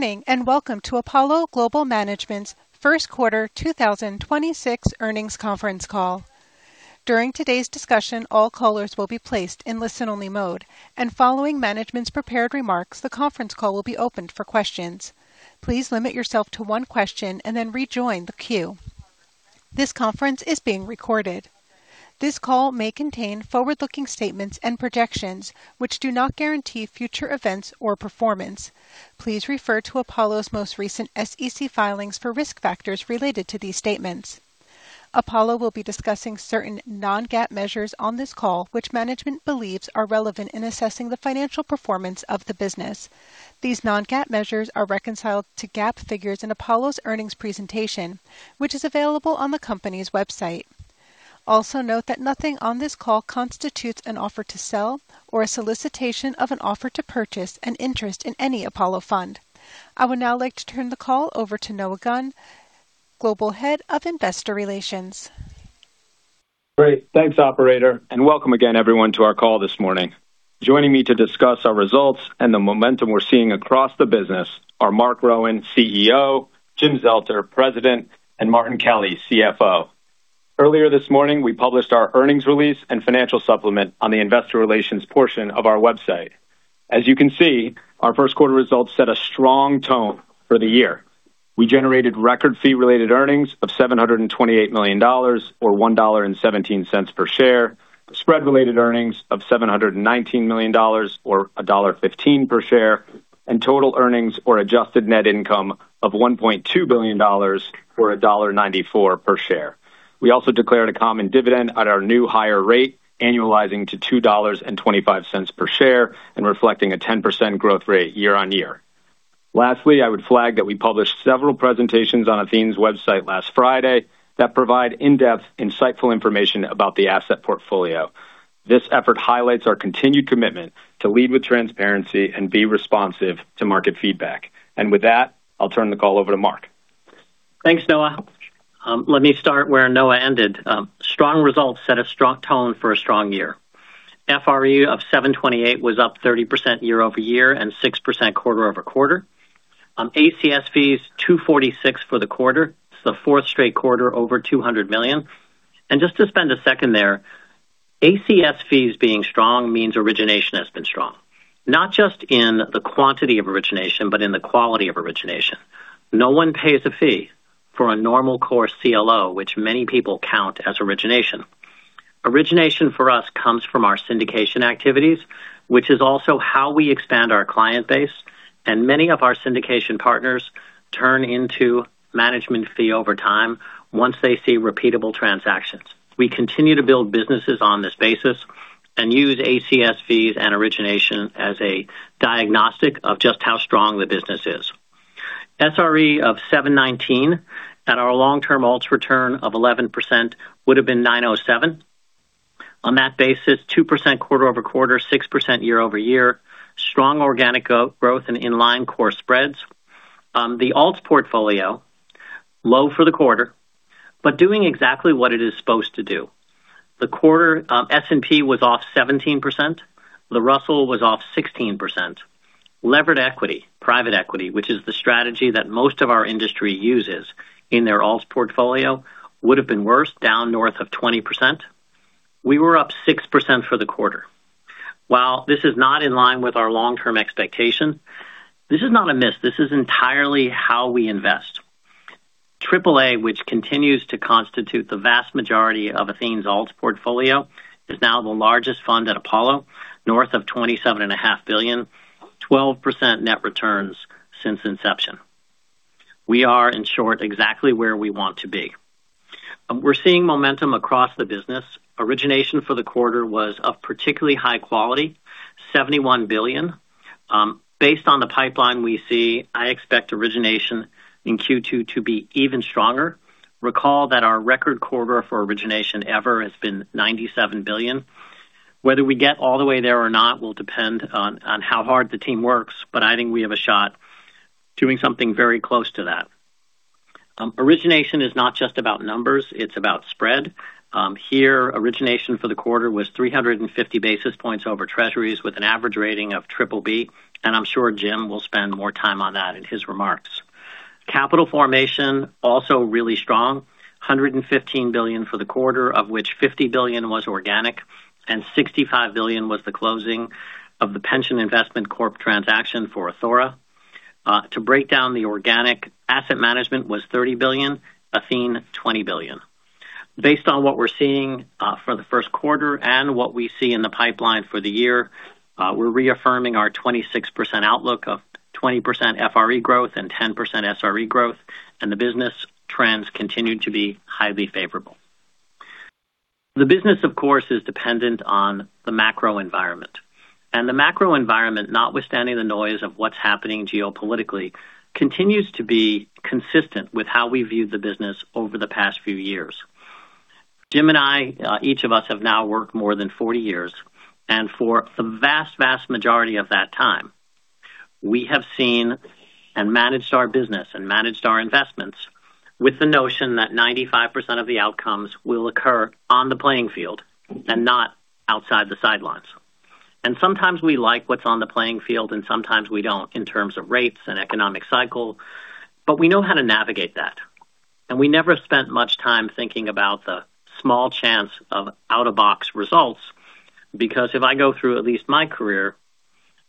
Good evening, and welcome to Apollo Global Management's first quarter 2026 earnings conference call. This call may contain forward-looking statements and projections, which do not guarantee future events or performance. Please refer to Apollo's most recent SEC filings for risk factors related to these statements. Apollo will be discussing certain non-GAAP measures on this call, which management believes are relevant in assessing the financial performance of the business. These non-GAAP measures are reconciled to GAAP figures in Apollo's earnings presentation, which is available on the company's website. Also note that nothing on this call constitutes an offer to sell or a solicitation of an offer to purchase an interest in any Apollo fund. I would now like to turn the call over to Noah Gunn, Global Head of Investor Relations. Great. Thanks, operator, and welcome again, everyone, to our call this morning. Joining me to discuss our results and the momentum we're seeing across the business are Marc Rowan, CEO, Jim Zelter, President, and Martin Kelly, CFO. Earlier this morning, we published our earnings release and financial supplement on the investor relations portion of our website. As you can see, our first quarter results set a strong tone for the year. We generated record fee-related earnings of $728 million or $1.17 per share, spread-related earnings of $719 million or $1.15 per share, and total earnings or adjusted net income of $1.2 billion or $1.94 per share. We also declared a common dividend at our new higher rate, annualizing to $2.25 per share and reflecting a 10% growth rate year-over-year. Lastly, I would flag that we published several presentations on Athene's website last Friday that provide in-depth, insightful information about the asset portfolio. This effort highlights our continued commitment to lead with transparency and be responsive to market feedback. With that, I'll turn the call over to Marc. Thanks, Noah. Let me start where Noah ended. Strong results set a strong tone for a strong year. FRE of $728 was up 30% year-over-year and 6% quarter-over-quarter. ACS fees $246 for the quarter. It's the fourth straight quarter over $200 million. Just to spend a second there, ACS fees being strong means origination has been strong, not just in the quantity of origination, but in the quality of origination. No one pays a fee for a normal core CLO, which many people count as origination. Origination for us comes from our syndication activities, which is also how we expand our client base. Many of our syndication partners turn into management fee over time once they see repeatable transactions. We continue to build businesses on this basis and use ACS fees and origination as a diagnostic of just how strong the business is. SRE of $719 at our long-term alts return of 11% would have been $907. On that basis, 2% quarter-over-quarter, 6% year-over-year. Strong organic growth and in-line core spreads. The alts portfolio, low for the quarter, but doing exactly what it is supposed to do. The quarter, S&P was off 17%. The Russell was off 16%. Levered equity, private equity, which is the strategy that most of our industry uses in their alts portfolio, would have been worse down north of 20%. We were up 6% for the quarter. While this is not in line with our long-term expectation, this is not a miss. This is entirely how we invest. AAA, which continues to constitute the vast majority of Athene's alts portfolio, is now the largest fund at Apollo, north of $27.5 billion, 12% net returns since inception. We are, in short, exactly where we want to be. We're seeing momentum across the business. Origination for the quarter was of particularly high quality, $71 billion. Based on the pipeline we see, I expect origination in Q2 to be even stronger. Recall that our record quarter for origination ever has been $97 billion. Whether we get all the way there or not will depend on how hard the team works, but I think we have a shot doing something very close to that. Origination is not just about numbers, it's about spread. Here origination for the quarter was 350 basis points over Treasuries with an average rating of triple B, and I'm sure Jim will spend more time on that in his remarks. Capital formation also really strong, $115 billion for the quarter, of which $50 billion was organic and $65 billion was the closing of the Pension Insurance Corporation transaction for Athora. To break down the organic asset management was $30 billion, Athene $20 billion. Based on what we're seeing for the first quarter and what we see in the pipeline for the year, we're reaffirming our 26% outlook of 20% FRE growth and 10% SRE growth, and the business trends continue to be highly favorable. The business, of course, is dependent on the macro environment. The macro environment, notwithstanding the noise of what's happening geopolitically, continues to be consistent with how we viewed the business over the past few years. Jim and I, each of us have now worked more than 40 years, and for the vast majority of that time, we have seen and managed our business and managed our investments with the notion that 95% of the outcomes will occur on the playing field and not outside the sidelines. Sometimes we like what's on the playing field and sometimes we don't in terms of rates and economic cycle, but we know how to navigate that. We never spent much time thinking about the small chance of out-of-the-box results, because if I go through at least my career,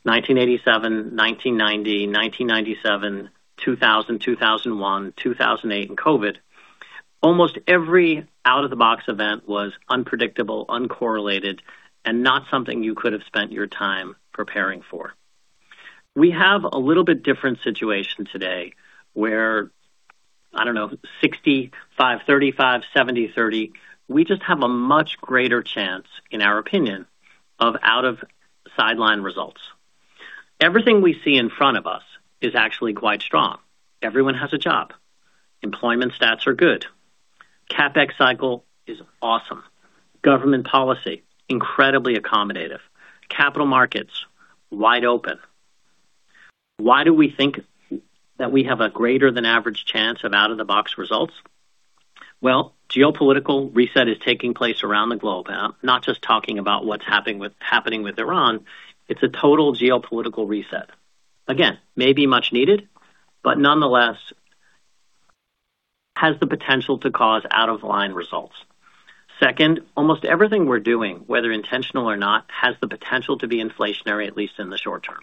1987, 1990, 1997, 2000, 2001, 2008, and COVID, almost every out-of-the-box event was unpredictable, uncorrelated, and not something you could have spent your time preparing for. We have a little bit different situation today where, I don't know, 65, 35, 70, 30, we just have a much greater chance, in our opinion, of out-of-the-box results. Everything we see in front of us is actually quite strong. Everyone has a job. Employment stats are good. CapEx cycle is awesome. Government policy, incredibly accommodative. Capital markets, wide open. Why do we think that we have a greater than average chance of out-of-the-box results? Well, geopolitical reset is taking place around the globe. I'm not just talking about what's happening with Iran. It's a total geopolitical reset. Again, maybe much needed, but nonetheless has the potential to cause out-of-line results. Second, almost everything we're doing, whether intentional or not, has the potential to be inflationary, at least in the short term.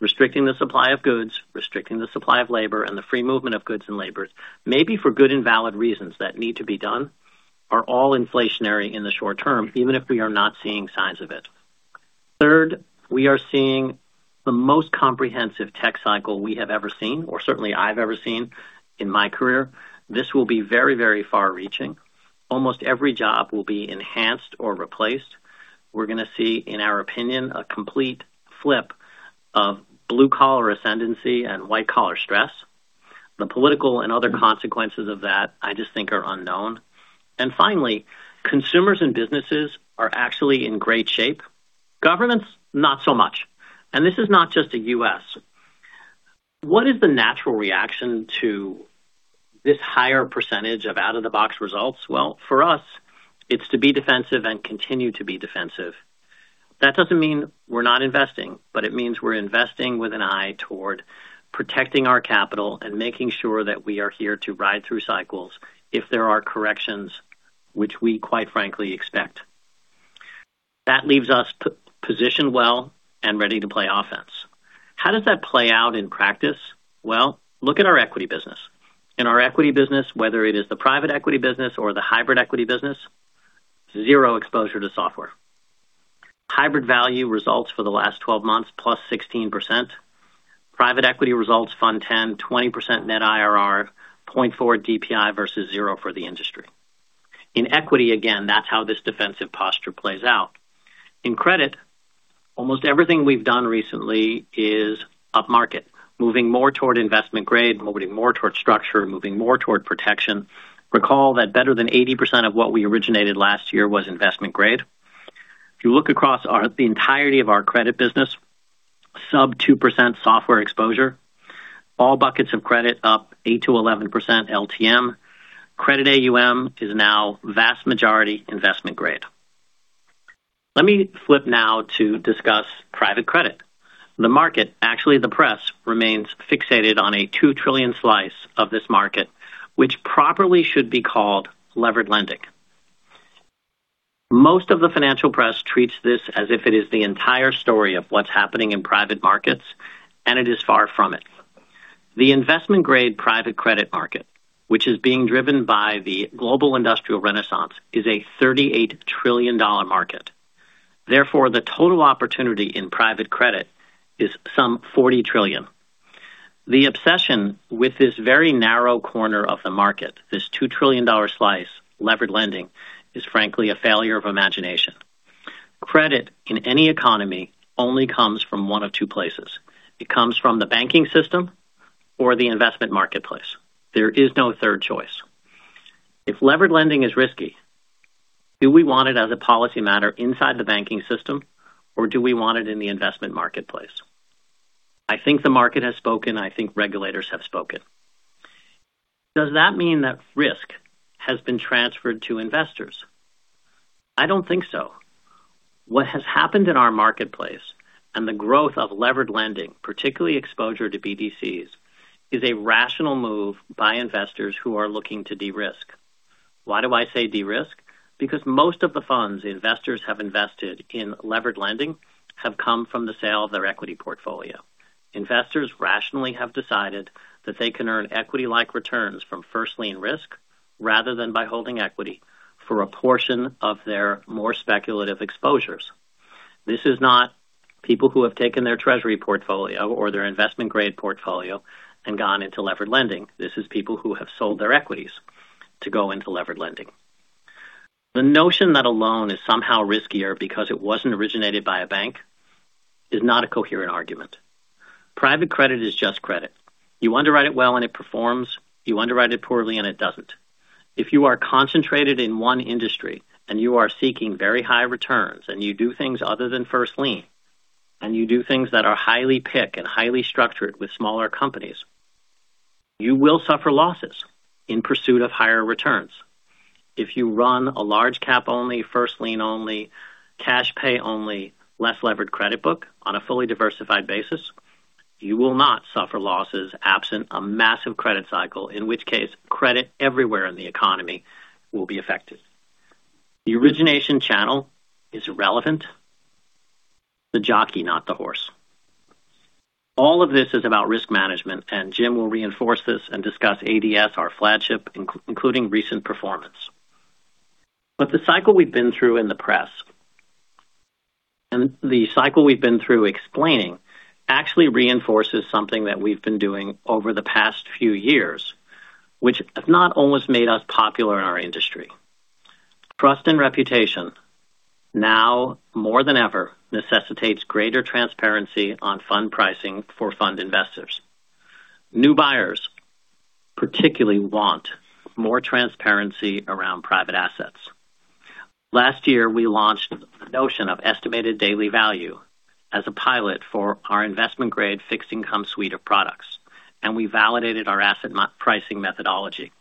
Restricting the supply of goods, restricting the supply of labor, and the free movement of goods and labor, maybe for good and valid reasons that need to be done, are all inflationary in the short term, even if we are not seeing signs of it. Third, we are seeing the most comprehensive tech cycle we have ever seen, or certainly I've ever seen in my career. This will be very, very far-reaching. Almost every job will be enhanced or replaced. We're gonna see, in our opinion, a complete flip of blue-collar ascendancy and white-collar stress. The political and other consequences of that, I just think are unknown. Finally, consumers and businesses are actually in great shape. Governance, not so much. This is not just the U.S. What is the natural reaction to this higher percentage of out-of-the-box results? Well, for us, it's to be defensive and continue to be defensive. That doesn't mean we're not investing, but it means we're investing with an eye toward protecting our capital and making sure that we are here to ride through cycles if there are corrections which we quite frankly expect. That leaves us positioned well and ready to play offense. How does that play out in practice? Well, look at our equity business. In our equity business, whether it is the private equity business or the Hybrid Value business, zero exposure to software. Hybrid Value results for the last 12 months, plus 16%. Private equity results, Fund 10, 20% net IRR, 0.4 DPI versus zero for the industry. In equity, again, that's how this defensive posture plays out. In credit, almost everything we've done recently is upmarket, moving more toward investment grade, moving more toward structure, moving more toward protection. Recall that better than 80% of what we originated last year was investment grade. If you look across the entirety of our credit business, sub 2% SOFR exposure. All buckets of credit up 8%-11% LTM. Credit AUM is now vast majority investment grade. Let me flip now to discuss private credit. The market, actually the press, remains fixated on a $2 trillion slice of this market, which properly should be called levered lending. Most of the financial press treats this as if it is the entire story of what's happening in private markets, and it is far from it. The investment-grade private credit market, which is being driven by the global industrial renaissance, is a $38 trillion market. Therefore, the total opportunity in private credit is some $40 trillion. The obsession with this very narrow corner of the market, this $2 trillion slice, levered lending, is frankly a failure of imagination. Credit in any economy only comes from one of two places. It comes from the banking system or the investment marketplace. There is no third choice. If levered lending is risky, do we want it as a policy matter inside the banking system, or do we want it in the investment marketplace? I think the market has spoken. I think regulators have spoken. Does that mean that risk has been transferred to investors? I don't think so. What has happened in our marketplace and the growth of levered lending, particularly exposure to BDCs, is a rational move by investors who are looking to de-risk. Why do I say de-risk? Because most of the funds investors have invested in levered lending have come from the sale of their equity portfolio. Investors rationally have decided that they can earn equity-like returns from first lien risk rather than by holding equity for a portion of their more speculative exposures. This is not people who have taken their treasury portfolio or their investment-grade portfolio and gone into levered lending. This is people who have sold their equities to go into levered lending. The notion that a loan is somehow riskier because it wasn't originated by a bank is not a coherent argument. Private credit is just credit. You underwrite it well and it performs, you underwrite it poorly and it doesn't. If you are concentrated in one industry and you are seeking very high returns, and you do things other than first lien, and you do things that are highly PIK and highly structured with smaller companies. You will suffer losses in pursuit of higher returns. If you run a large cap only, first lien only, cash pay only, less levered credit book on a fully diversified basis, you will not suffer losses absent a massive credit cycle, in which case credit everywhere in the economy will be affected. The origination channel is irrelevant. The jockey, not the horse. All of this is about risk management. Jim will reinforce this and discuss ADS, our flagship, including recent performance. The cycle we've been through in the press and the cycle we've been through explaining actually reinforces something that we've been doing over the past few years, which have not almost made us popular in our industry. Trust and reputation now more than ever necessitates greater transparency on fund pricing for fund investors. New buyers particularly want more transparency around private assets. Last year, we launched the notion of Estimated Daily Value as a pilot for our investment-grade fixed income suite of products, and we validated our asset pricing methodology.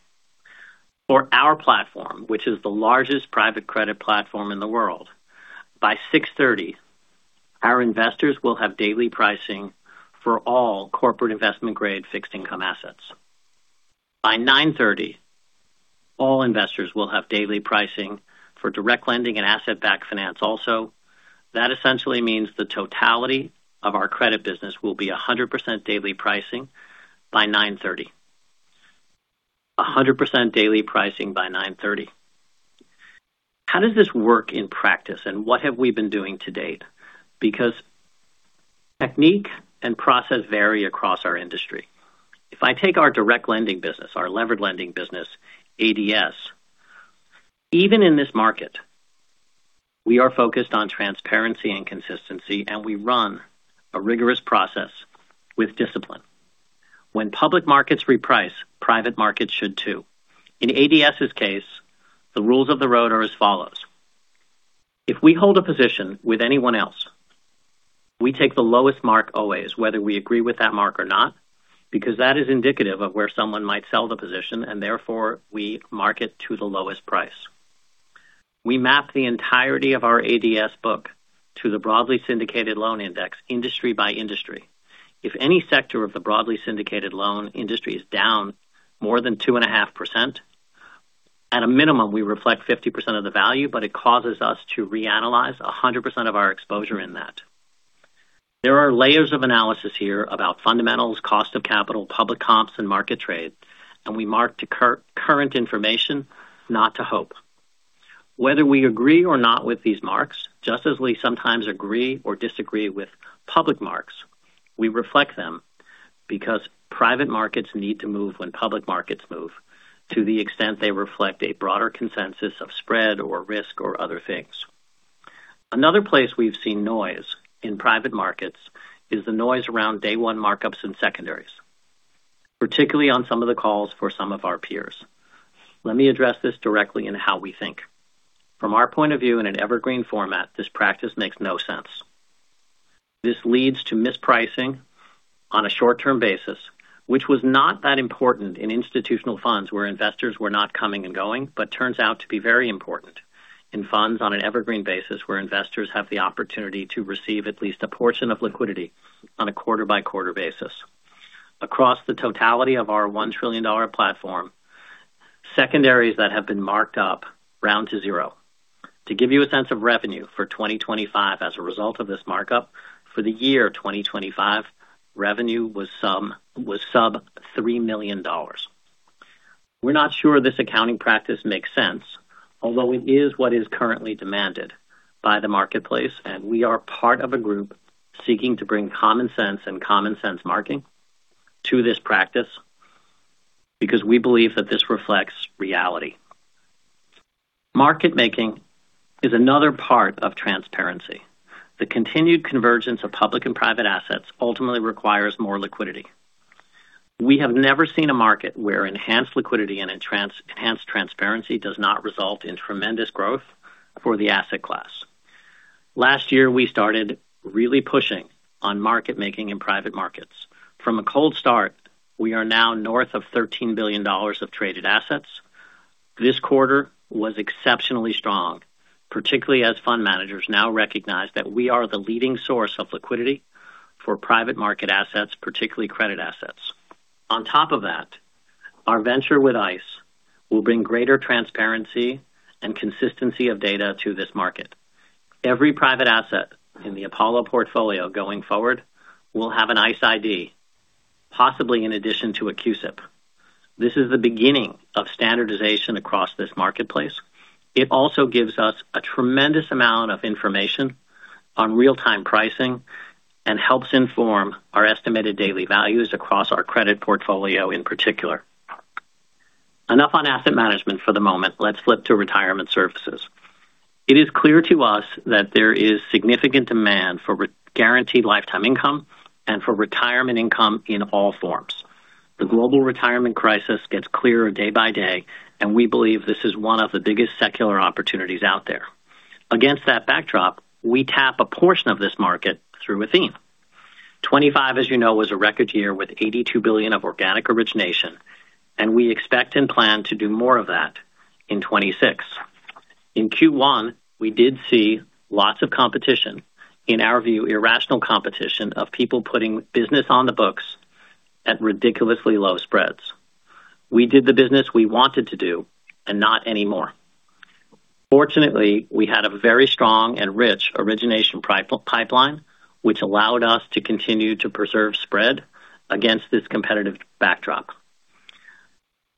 For our platform, which is the largest private credit platform in the world, by 6:30, our investors will have daily pricing for all corporate investment-grade fixed income assets. By 9:30, all investors will have daily pricing for direct lending and asset-backed finance also. That essentially means the totality of our credit business will be 100% daily pricing by 9:30. 100% daily pricing by 9:30. How does this work in practice, and what have we been doing to date? Technique and process vary across our industry. If I take our direct lending business, our levered lending business, ADS, even in this market, we are focused on transparency and consistency, and we run a rigorous process with discipline. When public markets reprice, private markets should too. In ADS's case, the rules of the road are as follows. If we hold a position with anyone else, we take the lowest mark always, whether we agree with that mark or not, because that is indicative of where someone might sell the position, and therefore we mark it to the lowest price. We map the entirety of our ADS book to the broadly syndicated loan index industry by industry. If any sector of the broadly syndicated loan industry is down more than 2.5%, at a minimum, we reflect 50% of the value. It causes us to reanalyze 100% of our exposure in that. There are layers of analysis here about fundamentals, cost of capital, public comps, and market trade. We mark to current information, not to hope. Whether we agree or not with these marks, just as we sometimes agree or disagree with public marks, we reflect them because private markets need to move when public markets move to the extent they reflect a broader consensus of spread or risk or other things. Another place we've seen noise in private markets is the noise around day one markups and secondaries, particularly on some of the calls for some of our peers. Let me address this directly in how we think. From our point of view in an evergreen format, this practice makes no sense. This leads to mispricing on a short-term basis, which was not that important in institutional funds where investors were not coming and going, but turns out to be very important in funds on an evergreen basis where investors have the opportunity to receive at least a portion of liquidity on a quarter-by-quarter basis. Across the totality of our $1 trillion platform, secondaries that have been marked up round to zero. To give you a sense of revenue for 2025 as a result of this markup, for the year 2025, revenue was sub $3 million. We're not sure this accounting practice makes sense, although it is what is currently demanded by the marketplace, and we are part of a group seeking to bring common sense and common sense marking to this practice because we believe that this reflects reality. Market making is another part of transparency. The continued convergence of public and private assets ultimately requires more liquidity. We have never seen a market where enhanced liquidity and enhanced transparency does not result in tremendous growth for the asset class. Last year, we started really pushing on market making in private markets. From a cold start, we are now north of $13 billion of traded assets. Our venture with ICE will bring greater transparency and consistency of data to this market. Every private asset in the Apollo portfolio going forward will have an ICE ID, possibly in addition to a CUSIP. This is the beginning of standardization across this marketplace. It also gives us a tremendous amount of information on real-time pricing and helps inform our Estimated Daily Values across our credit portfolio in particular. Enough on asset management for the moment. Let's flip to retirement services. It is clear to us that there is significant demand for guaranteed lifetime income and for retirement income in all forms. The global retirement crisis gets clearer day by day, and we believe this is one of the biggest secular opportunities out there. Against that backdrop, we tap a portion of this market through Athene. 2025, as you know, was a record year with $82 billion of organic origination, and we expect and plan to do more of that in 2026. In Q1, we did see lots of competition, in our view, irrational competition of people putting business on the books at ridiculously low spreads. We did the business we wanted to do and not anymore. Fortunately, we had a very strong and rich origination pipeline which allowed us to continue to preserve spread against this competitive backdrop.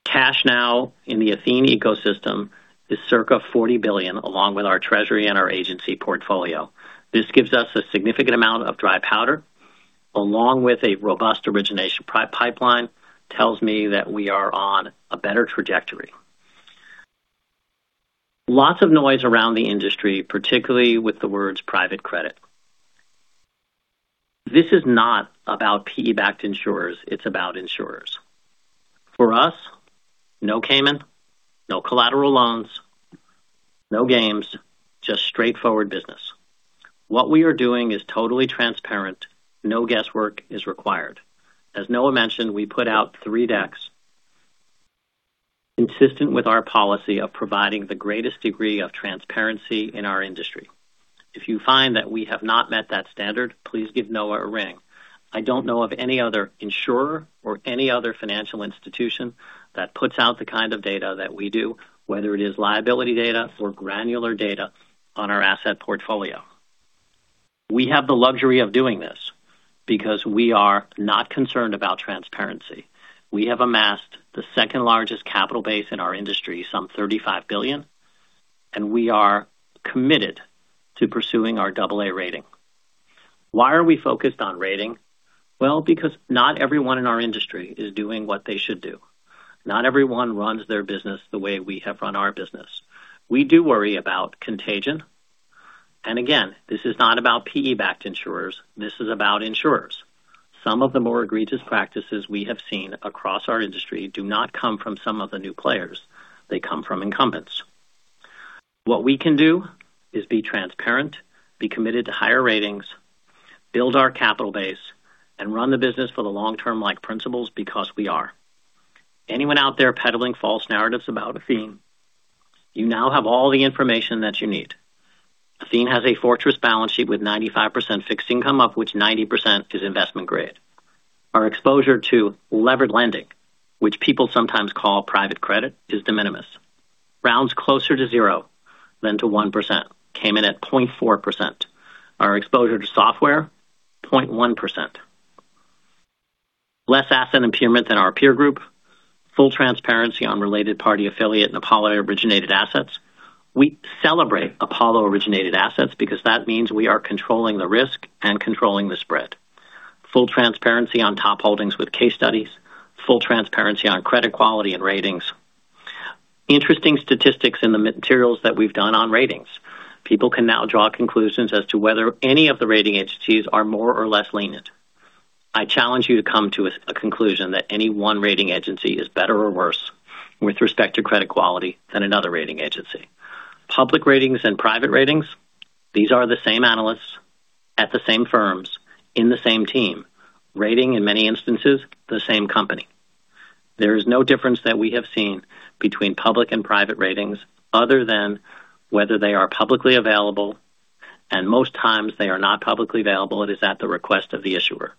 Cash now in the Athene ecosystem is circa $40 billion, along with our treasury and our agency portfolio. This gives us a significant amount of dry powder along with a robust origination pipeline. Tells me that we are on a better trajectory. Lots of noise around the industry, particularly with the words private credit. This is not about PE-backed insurers, it's about insurers. For us, no Cayman, no collateral loans, no games, just straightforward business. What we are doing is totally transparent. No guesswork is required. As Noah mentioned, we put out three decks consistent with our policy of providing the greatest degree of transparency in our industry. If you find that we have not met that standard, please give Noah a ring. I don't know of any other insurer or any other financial institution that puts out the kind of data that we do, whether it is liability data or granular data on our asset portfolio. We have the luxury of doing this because we are not concerned about transparency. We have amassed the second-largest capital base in our industry, some $35 billion, and we are committed to pursuing our AA rating. Why are we focused on rating? Well, because not everyone in our industry is doing what they should do. Not everyone runs their business the way we have run our business. We do worry about contagion. Again, this is not about PE-backed insurers, this is about insurers. Some of the more egregious practices we have seen across our industry do not come from some of the new players. They come from incumbents. What we can do is be transparent, be committed to higher ratings, build our capital base, and run the business for the long-term like principals because we are. Anyone out there peddling false narratives about Athene, you now have all the information that you need. Athene has a fortress balance sheet with 95% fixed income, of which 90% is investment grade. Our exposure to levered lending, which people sometimes call private credit, is de minimis. Rounds closer to zero than to 1% came in at 0.4%. Our exposure to software, 0.1%. Less asset impairment than our peer group. Full transparency on related party affiliate and Apollo-originated assets. We celebrate Apollo-originated assets because that means we are controlling the risk and controlling the spread. Full transparency on top holdings with case studies. Full transparency on credit quality and ratings. Interesting statistics in the materials that we've done on ratings. People can now draw conclusions as to whether any of the rating agencies are more or less lenient. I challenge you to come to a conclusion that any one rating agency is better or worse with respect to credit quality than another rating agency. Public ratings and private ratings, these are the same analysts at the same firms in the same team rating, in many instances, the same company. There is no difference that we have seen between public and private ratings other than whether they are publicly available, and most times they are not publicly available. It is at the request of the issuer.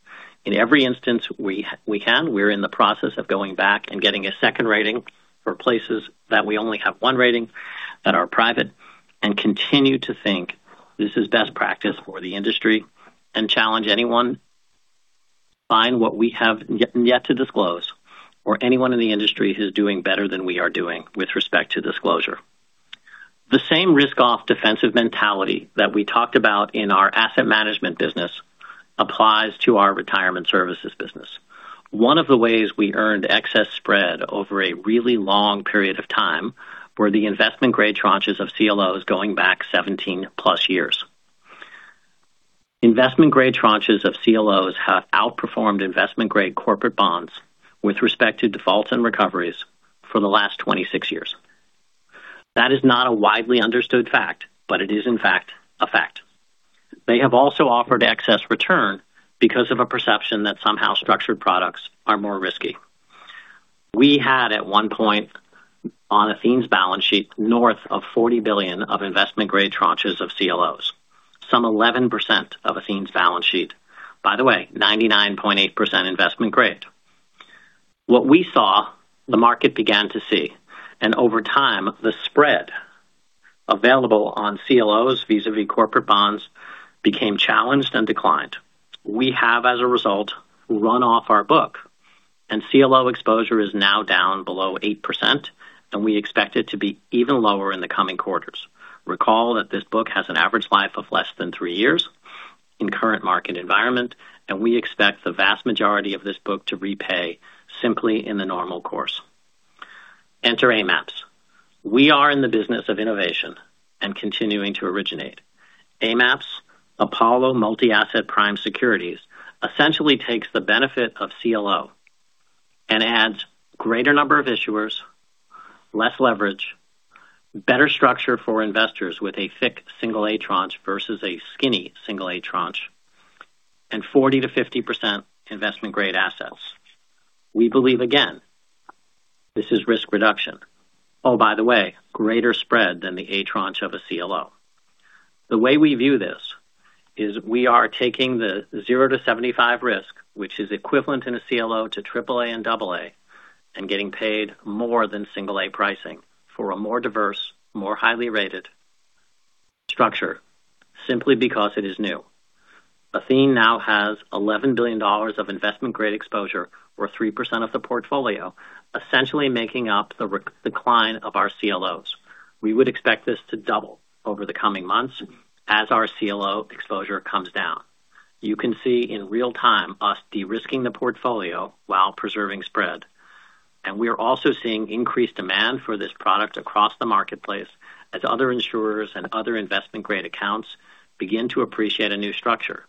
In every instance we can, we're in the process of going back and getting a one rating for places that we only have one rating that are private and continue to think this is best practice for the industry and challenge anyone find what we have yet to disclose or anyone in the industry who's doing better than we are doing with respect to disclosure. The same risk-off defensive mentality that we talked about in our asset management business applies to our retirement services business. One of the ways we earned excess spread over a really long period of time were the investment-grade tranches of CLOs going back 17+ years. Investment-grade tranches of CLOs have outperformed investment-grade corporate bonds with respect to defaults and recoveries for the last 26 years. That is not a widely understood fact, but it is in fact a fact. They have also offered excess return because of a perception that somehow structured products are more risky. We had at one point on Athene's balance sheet north of 40 billion of investment-grade tranches of CLOs, some 11% of Athene's balance sheet. By the way, 99.8% investment grade. What we saw, the market began to see, and over time, the spread available on CLOs vis-à-vis corporate bonds became challenged and declined. We have, as a result, run off our book, and CLO exposure is now down below 8%, and we expect it to be even lower in the coming quarters. Recall that this book has an average life of less than three years in current market environment, and we expect the vast majority of this book to repay simply in the normal course. Enter AMAPS. We are in the business of innovation and continuing to originate. AMAPS, Apollo Multi-Asset Prime Securities, essentially takes the benefit of CLO. Adds greater number of issuers, less leverage, better structure for investors with a thick single A tranche versus a skinny single A tranche, and 40%-50% investment grade assets. We believe, again, this is risk reduction. Oh, by the way, greater spread than the A tranche of a CLO. The way we view this is we are taking the 0-75 risk, which is equivalent in a CLO to triple A and double A, and getting paid more than single A pricing for a more diverse, more highly rated structure simply because it is new. Athene now has $11 billion of investment-grade exposure, or 3% of the portfolio, essentially making up the decline of our CLOs. We would expect this to double over the coming months as our CLO exposure comes down. You can see in real time us de-risking the portfolio while preserving spread. We are also seeing increased demand for this product across the marketplace as other insurers and other investment-grade accounts begin to appreciate a new structure.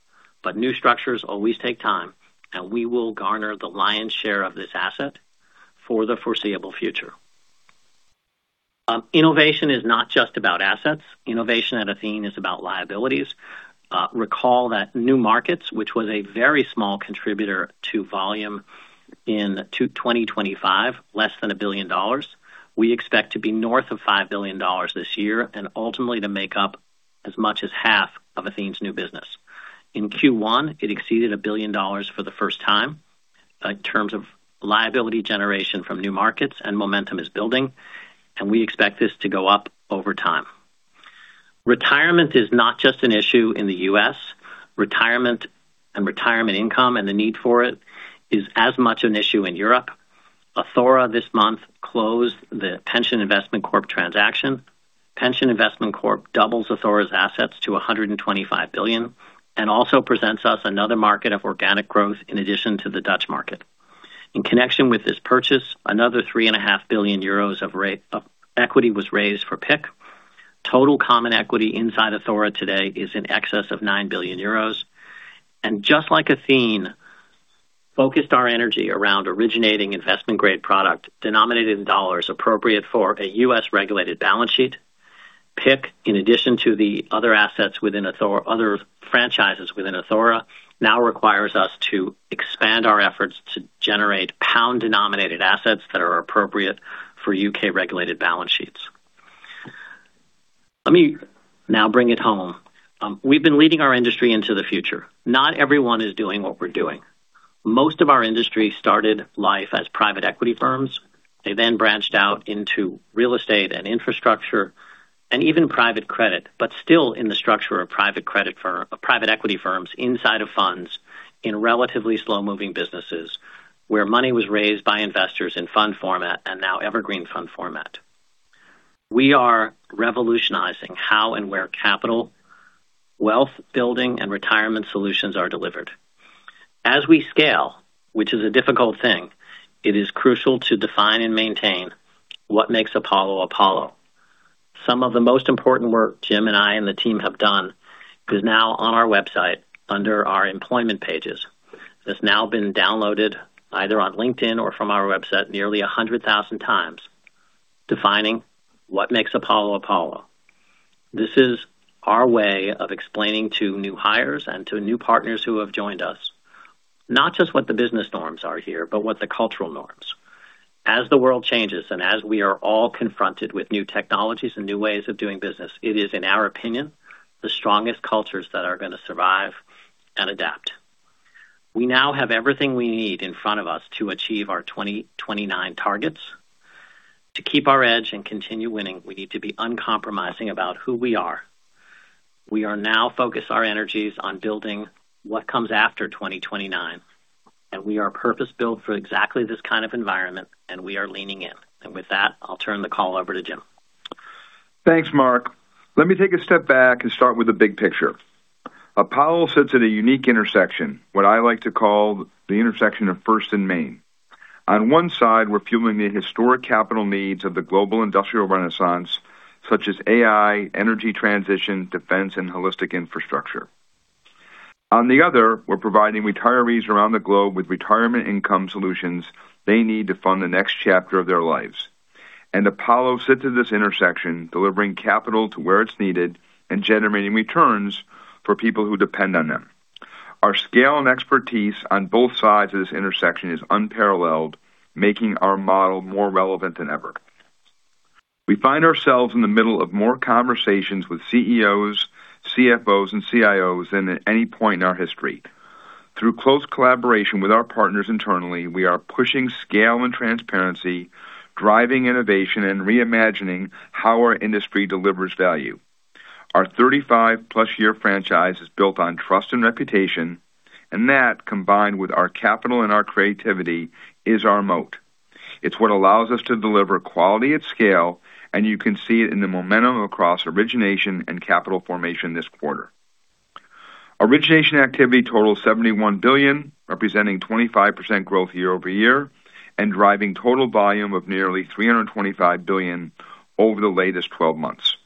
New structures always take time, and we will garner the lion's share of this asset for the foreseeable future. Innovation is not just about assets. Innovation at Athene is about liabilities. Recall that New Markets, which was a very small contributor to volume in 2025, less than $1 billion. We expect to be north of $5 billion this year and ultimately to make up as much as half of Athene's new business. In Q1, it exceeded $1 billion for the first time in terms of liability generation from New Markets and momentum is building, and we expect this to go up over time. Retirement is not just an issue in the U.S. Retirement and retirement income and the need for it is as much an issue in Europe. Athora this month closed the Pension Insurance Corporation transaction. Pension Insurance Corporation doubles Athora's assets to $125 billion and also presents us another market of organic growth in addition to the Dutch market. In connection with this purchase, another 3.5 billion euros of equity was raised for PIC. Total common equity inside Athora today is in excess of 9 billion euros. Just like Athene focused our energy around originating investment-grade product denominated in dollars appropriate for a U.S.-regulated balance sheet, PIC, in addition to the other assets within Athora, other franchises within Athora, now requires us to expand our efforts to generate pound-denominated assets that are appropriate for U.K.-regulated balance sheets. Let me now bring it home. We've been leading our industry into the future. Not everyone is doing what we're doing. Most of our industry started life as private equity firms. They then branched out into real estate and infrastructure and even private credit, but still in the structure of private equity firms inside of funds in relatively slow-moving businesses where money was raised by investors in fund format and now evergreen fund format. We are revolutionizing how and where capital, wealth building, and retirement solutions are delivered. As we scale, which is a difficult thing, it is crucial to define and maintain what makes Apollo Apollo. Some of the most important work Jim and I and the team have done is now on our website under our employment pages. It's now been downloaded either on LinkedIn or from our website nearly 100,000x, defining what makes Apollo, Apollo. This is our way of explaining to new hires and to new partners who have joined us not just what the business norms are here, but what the cultural norms. As the world changes and as we are all confronted with new technologies and new ways of doing business, it is, in our opinion, the strongest cultures that are gonna survive and adapt. We now have everything we need in front of us to achieve our 2029 targets. To keep our edge and continue winning, we need to be uncompromising about who we are. We are now focused our energies on building what comes after 2029, and we are purpose-built for exactly this kind of environment, and we are leaning in. With that, I'll turn the call over to Jim. Thanks, Marc. Let me take a step back and start with the big picture. Apollo sits at a unique intersection, what I like to call the intersection of First and Main. On one side, we're fueling the historic capital needs of the global industrial renaissance, such as AI, energy transition, defense, and holistic infrastructure. On the other, we're providing retirees around the globe with retirement income solutions they need to fund the next chapter of their lives. Apollo sits at this intersection, delivering capital to where it's needed and generating returns for people who depend on them. Our scale and expertise on both sides of this intersection is unparalleled, making our model more relevant than ever. We find ourselves in the middle of more conversations with CEOs, CFOs, and CIOs than at any point in our history. Through close collaboration with our partners internally, we are pushing scale and transparency, driving innovation, and reimagining how our industry delivers value. Our 35-plus-year franchise is built on trust and reputation, and that, combined with our capital and our creativity, is our moat. It's what allows us to deliver quality at scale, and you can see it in the momentum across origination and capital formation this quarter. Origination activity totals $71 billion, representing 25% growth year-over-year and driving total volume of nearly $325 billion over the latest 12 months.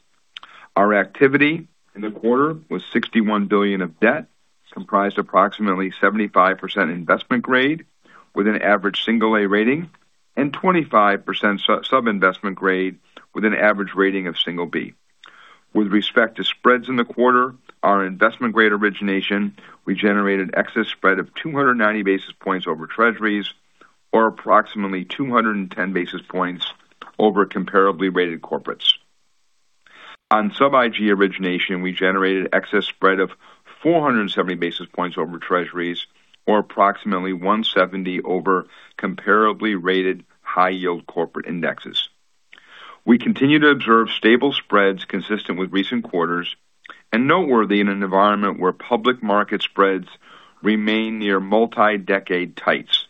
Our activity in the quarter was $61 billion of debt, comprised approximately 75% investment grade with an average single A rating and 25% sub-investment grade with an average rating of single B. With respect to spreads in the quarter, our investment grade origination, we generated excess spread of 290 basis points over Treasuries or approximately 210 basis points over comparably rated corporates. On sub IG origination, we generated excess spread of 470 basis points over Treasuries or approximately 170 over comparably high yield corporate indexes. We continue to observe stable spreads consistent with recent quarters and noteworthy in an environment where public market spreads remain near multi-decade tights.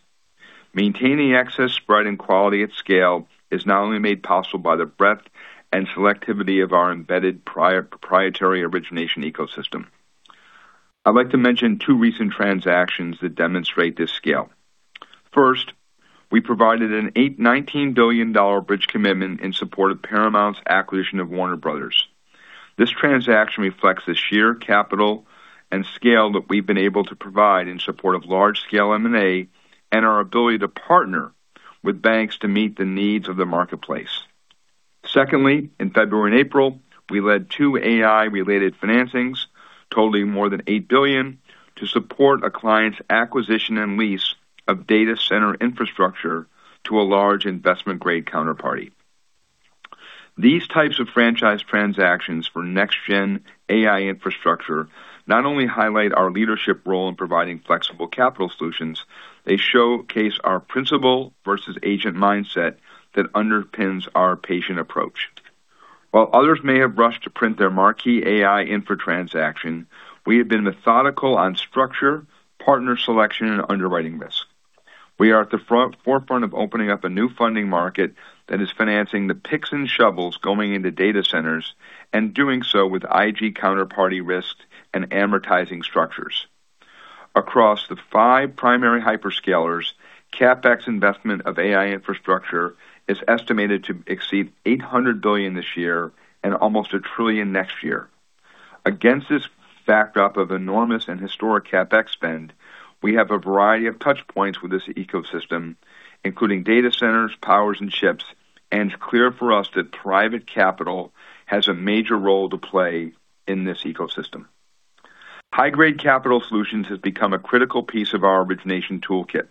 Maintaining excess spread and quality at scale is not only made possible by the breadth and selectivity of our embedded proprietary origination ecosystem. I'd like to mention two recent transactions that demonstrate this scale. First, we provided a $19 billion bridge commitment in support of Paramount's acquisition of Warner Bros. This transaction reflects the sheer capital and scale that we've been able to provide in support of large-scale M&A and our ability to partner with banks to meet the needs of the marketplace. Secondly, in February and April, we led two AI-related financings totaling more than $8 billion to support a client's acquisition and lease of data center infrastructure to a large investment-grade counterparty. These types of franchise transactions for next-gen AI infrastructure not only highlight our leadership role in providing flexible capital solutions, they showcase our principal-versus-agent mindset that underpins our patient approach. While others may have rushed to print their marquee AI infra transaction, we have been methodical on structure, partner selection and underwriting risk. We are at the forefront of opening up a new funding market that is financing the picks and shovels going into data centers and doing so with IG counterparty risk and amortizing structures. Across the five primary hyperscalers, CapEx investment of AI infrastructure is estimated to exceed $800 billion this year and almost $1 trillion next year. Against this backdrop of enormous and historic CapEx spend, we have a variety of touch points with this ecosystem, including data centers, powers and chips. It's clear for us that private capital has a major role to play in this ecosystem. High grade capital solutions has become a critical piece of our origination toolkit.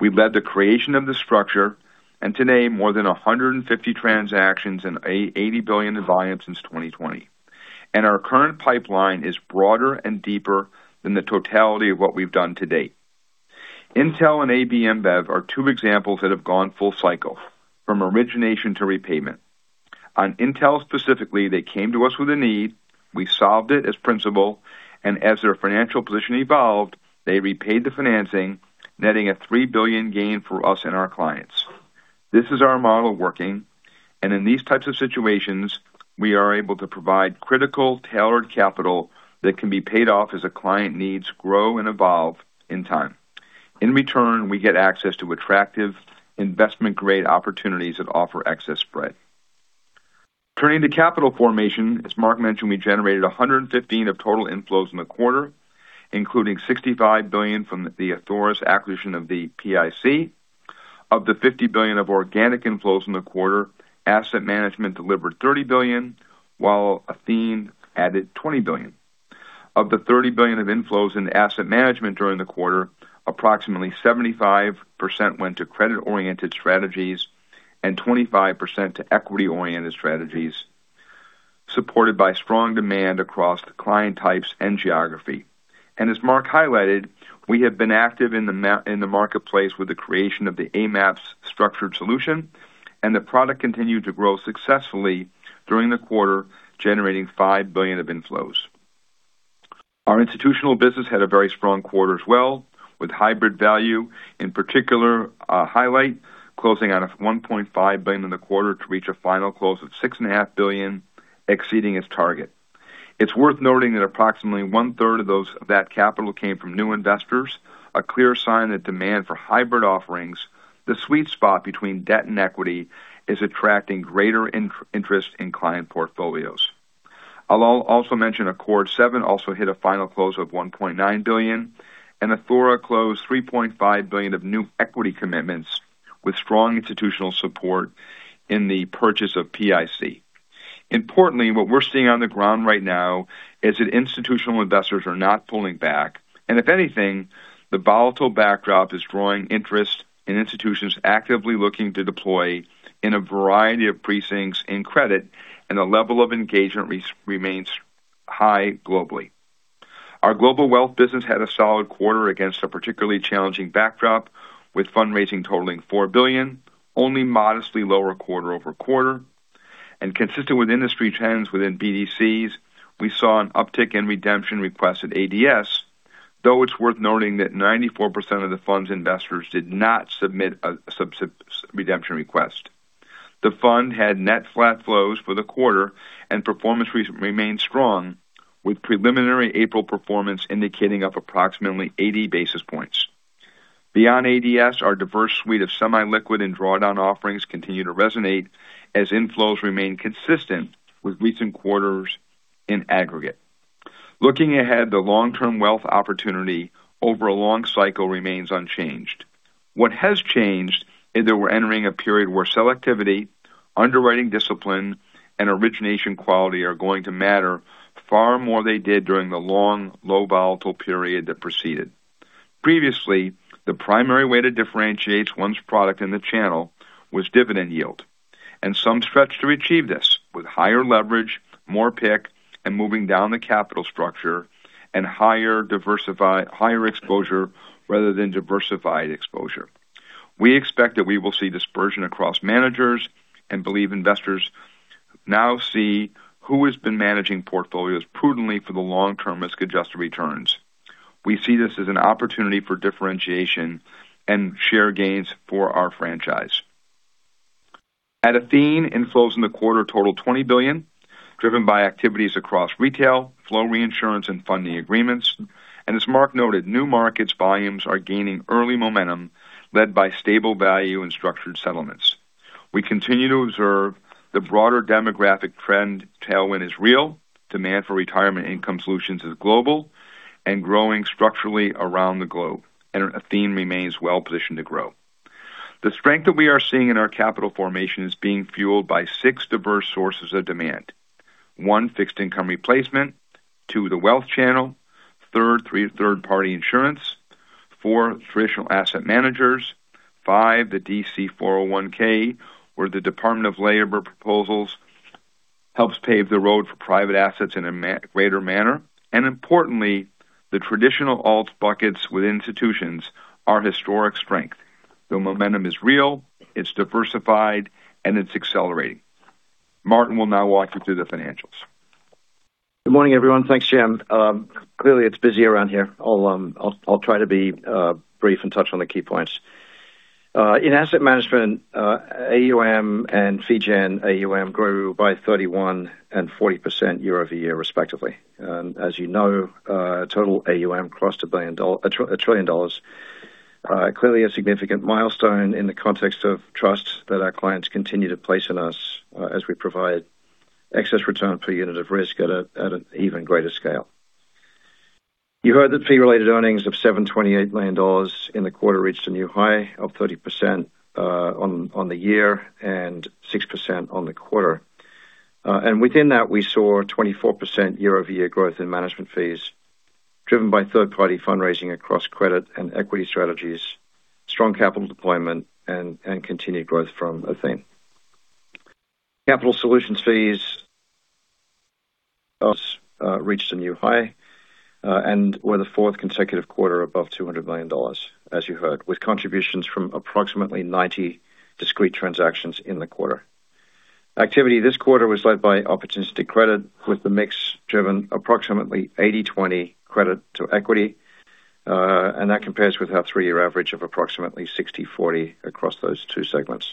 We led the creation of the structure, and to date, more than 150 transactions and $80 billion in volume since 2020. Our current pipeline is broader and deeper than the totality of what we've done to date. Intel and AB InBev are two examples that have gone full cycle from origination to repayment. On Intel specifically, they came to us with a need. We solved it as principal, and as their financial position evolved, they repaid the financing, netting a $3 billion gain for us and our clients. This is our model working, and in these types of situations we are able to provide critical tailored capital that can be paid off as a client's needs grow and evolve in time. In return, we get access to attractive investment grade opportunities that offer excess spread. Turning to capital formation. As Marc mentioned, we generated $115 billion of total inflows in the quarter, including $65 billion from Athora's acquisition of PIC. Of the $50 billion of organic inflows in the quarter, asset management delivered $30 billion, while Athene added $20 billion. Of the $30 billion of inflows into asset management during the quarter, approximately 75% went to credit oriented strategies and 25% to equity oriented strategies, supported by strong demand across client types and geography. As Marc Rowan highlighted, we have been active in the marketplace with the creation of the AMAPS structured solution, and the product continued to grow successfully during the quarter, generating $5 billion of inflows. Our institutional business had a very strong quarter as well, with Hybrid Value in particular, highlight closing out of $1.5 billion in the quarter to reach a final close of $6.5 billion exceeding its target. It's worth noting that approximately one-third of that capital came from new investors, a clear sign that demand for hybrid offerings, the sweet spot between debt and equity, is attracting greater interest in client portfolios. I'll also mention Accord 7 also hit a final close of $1.9 billion, and Athora closed $3.5 billion of new equity commitments with strong institutional support in the purchase of PIC. Importantly, what we're seeing on the ground right now is that institutional investors are not pulling back. If anything, the volatile backdrop is drawing interest in institutions actively looking to deploy in a variety of precincts in credit, and the level of engagement remains high globally. Our global wealth business had a solid quarter against a particularly challenging backdrop, with fundraising totaling $4 billion only modestly lower quarter-over-quarter. Consistent with industry trends within BDCs we saw an uptick in redemption requests at ADS, though it's worth noting that 94% of the fund's investors did not submit a sub redemption request. The fund had net flat flows for the quarter and performance remained strong, with preliminary April performance indicating up approximately 80 basis points. Beyond ADS, our diverse suite of semi-liquid and drawdown offerings continue to resonate as inflows remain consistent with recent quarters in aggregate. Looking ahead, the long-term wealth opportunity over a long cycle remains unchanged. What has changed is that we're entering a period where selectivity, underwriting discipline, and origination quality are going to matter far more they did during the long, low volatile period that preceded. Previously, the primary way to differentiate one's product in the channel was dividend yield, and some stretch to achieve this with higher leverage, more pick, and moving down the capital structure and higher exposure rather than diversified exposure. We expect that we will see dispersion across managers and believe investors now see who has been managing portfolios prudently for the long-term risk-adjusted returns. We see this as an opportunity for differentiation and share gains for our franchise. At Athene, inflows in the quarter totaled $20 billion, driven by activities across retail, flow reinsurance, and funding agreements. As Marc noted, New Markets volumes are gaining early momentum led by stable value and structured settlements. We continue to observe the broader demographic trend tailwind is real. Demand for retirement income solutions is global and growing structurally around the globe, Athene remains well-positioned to grow. The strength that we are seeing in our capital formation is being fueled by six diverse sources of demand. One, fixed income replacement. Two, the wealth channel. 3rd, three third-party insurance. Four, traditional asset managers. Five, the DC 401K, where the Department of Labor proposals helps pave the road for private assets in a greater manner. Importantly, the traditional alts buckets with institutions are historic strength. The momentum is real, it's diversified, and it's accelerating. Martin will now walk you through the financials. Good morning, everyone. Thanks, Jim. Clearly, it's busy around here. I'll try to be brief and touch on the key points. In asset management, AUM and Fee-Generating AUM grew by 31% and 40% year-over-year, respectively. As you know, total AUM crossed $1 trillion. Clearly a significant milestone in the context of trust that our clients continue to place in us, as we provide excess return per unit of risk at an even greater scale. You heard that fee-related earnings of $728 million in the quarter reached a new high of 30% on the year and 6% on the quarter. Within that, we saw 24% year-over-year growth in management fees driven by third-party fundraising across credit and equity strategies, strong capital deployment, and continued growth from Athene. Capital solutions fees reached a new high and were the fourth consecutive quarter above $200 million, as you heard, with contributions from approximately 90 discrete transactions in the quarter. Activity this quarter was led by opportunistic credit, with the mix driven approximately 80-20 credit to equity. That compares with our three-year average of approximately 60-40 across those two segments.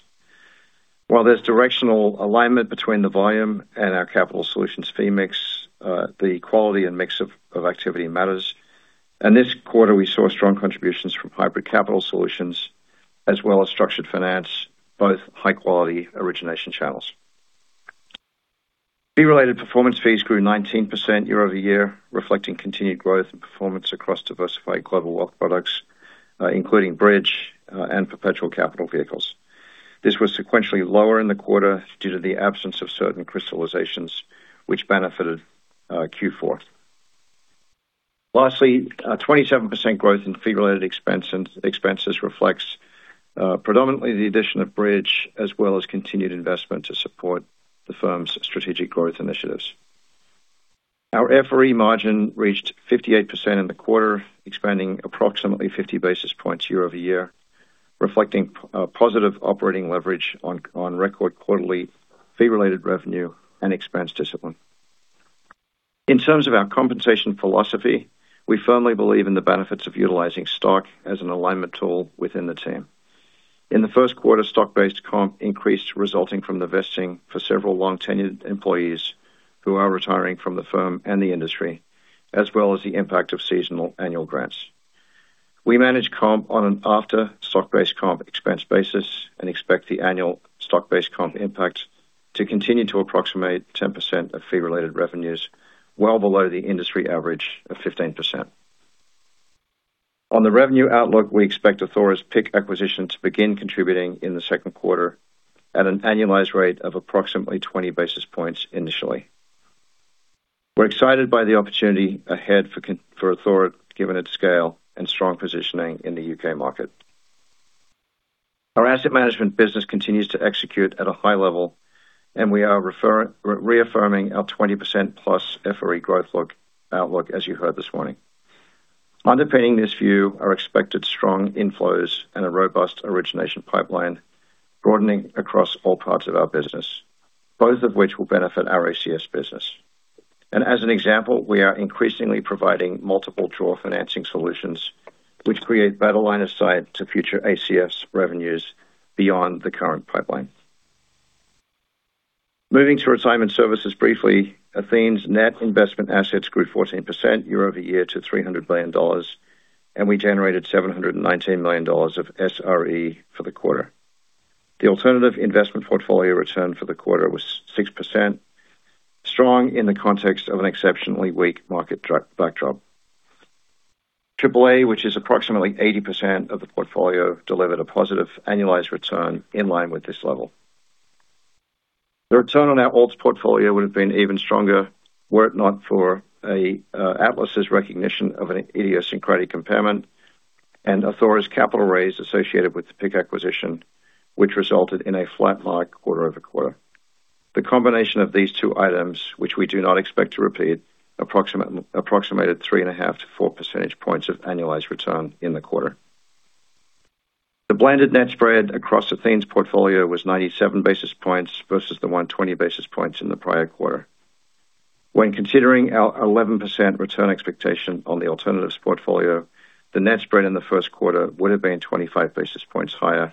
While there's directional alignment between the volume and our capital solutions fee mix, the quality and mix of activity matters. This quarter, we saw strong contributions from hybrid capital solutions as well as structured finance, both high-quality origination channels. Fee-related performance fees grew 19% year-over-year, reflecting continued growth and performance across diversified global lock products, including Bridge, and perpetual capital vehicles. This was sequentially lower in the quarter due to the absence of certain crystallizations which benefited Q4. Lastly, a 27% growth in fee-related expense and expenses reflects predominantly the addition of Bridge as well as continued investment to support the firm's strategic growth initiatives. Our FRE margin reached 58% in the quarter, expanding approximately 50 basis points year-over-year, reflecting positive operating leverage on record quarterly fee-related revenue and expense discipline. In terms of our compensation philosophy, we firmly believe in the benefits of utilizing stock as an alignment tool within the team. In the first quarter, stock-based comp increased, resulting from the vesting for several long tenured employees who are retiring from the firm and the industry, as well as the impact of seasonal annual grants. We manage comp on an after stock-based comp expense basis and expect the annual stock-based comp impact to continue to approximate 10% of fee-related revenues, well below the industry average of 15%. On the revenue outlook, we expect Athora's PIC acquisition to begin contributing in the second quarter at an annualized rate of approximately 20 basis points initially. We're excited by the opportunity ahead for Athora given its scale and strong positioning in the U.K. market. Our asset management business continues to execute at a high level, and we are reaffirming our 20%+ FRE growth outlook as you heard this morning. Underpinning this view are expected strong inflows and a robust origination pipeline broadening across all parts of our business, both of which will benefit our ACS business. As an example, we are increasingly providing multiple draw financing solutions which create better line of sight to future ACS revenues beyond the current pipeline. Moving to Retirement Services briefly. Athene's net investment assets grew 14% year-over-year to $300 billion, and we generated $719 million of SRE for the quarter. The alternative investment portfolio return for the quarter was 6%, strong in the context of an exceptionally weak market backdrop. AAA, which is approximately 80% of the portfolio, delivered a positive annualized return in line with this level. The return on our alts portfolio would have been even stronger were it not for Atlas's recognition of an idiosyncratic impairment and Athora's capital raise associated with the PIC acquisition, which resulted in a flat line quarter-over-quarter. The combination of these two items, which we do not expect to repeat, approximated 3.5-4 percentage points of annualized return in the quarter. The blended net spread across Athene's portfolio was 97 basis points versus the 120 basis points in the prior quarter. When considering our 11 percent return expectation on the alternatives portfolio, the net spread in the first quarter would have been 25 basis points higher.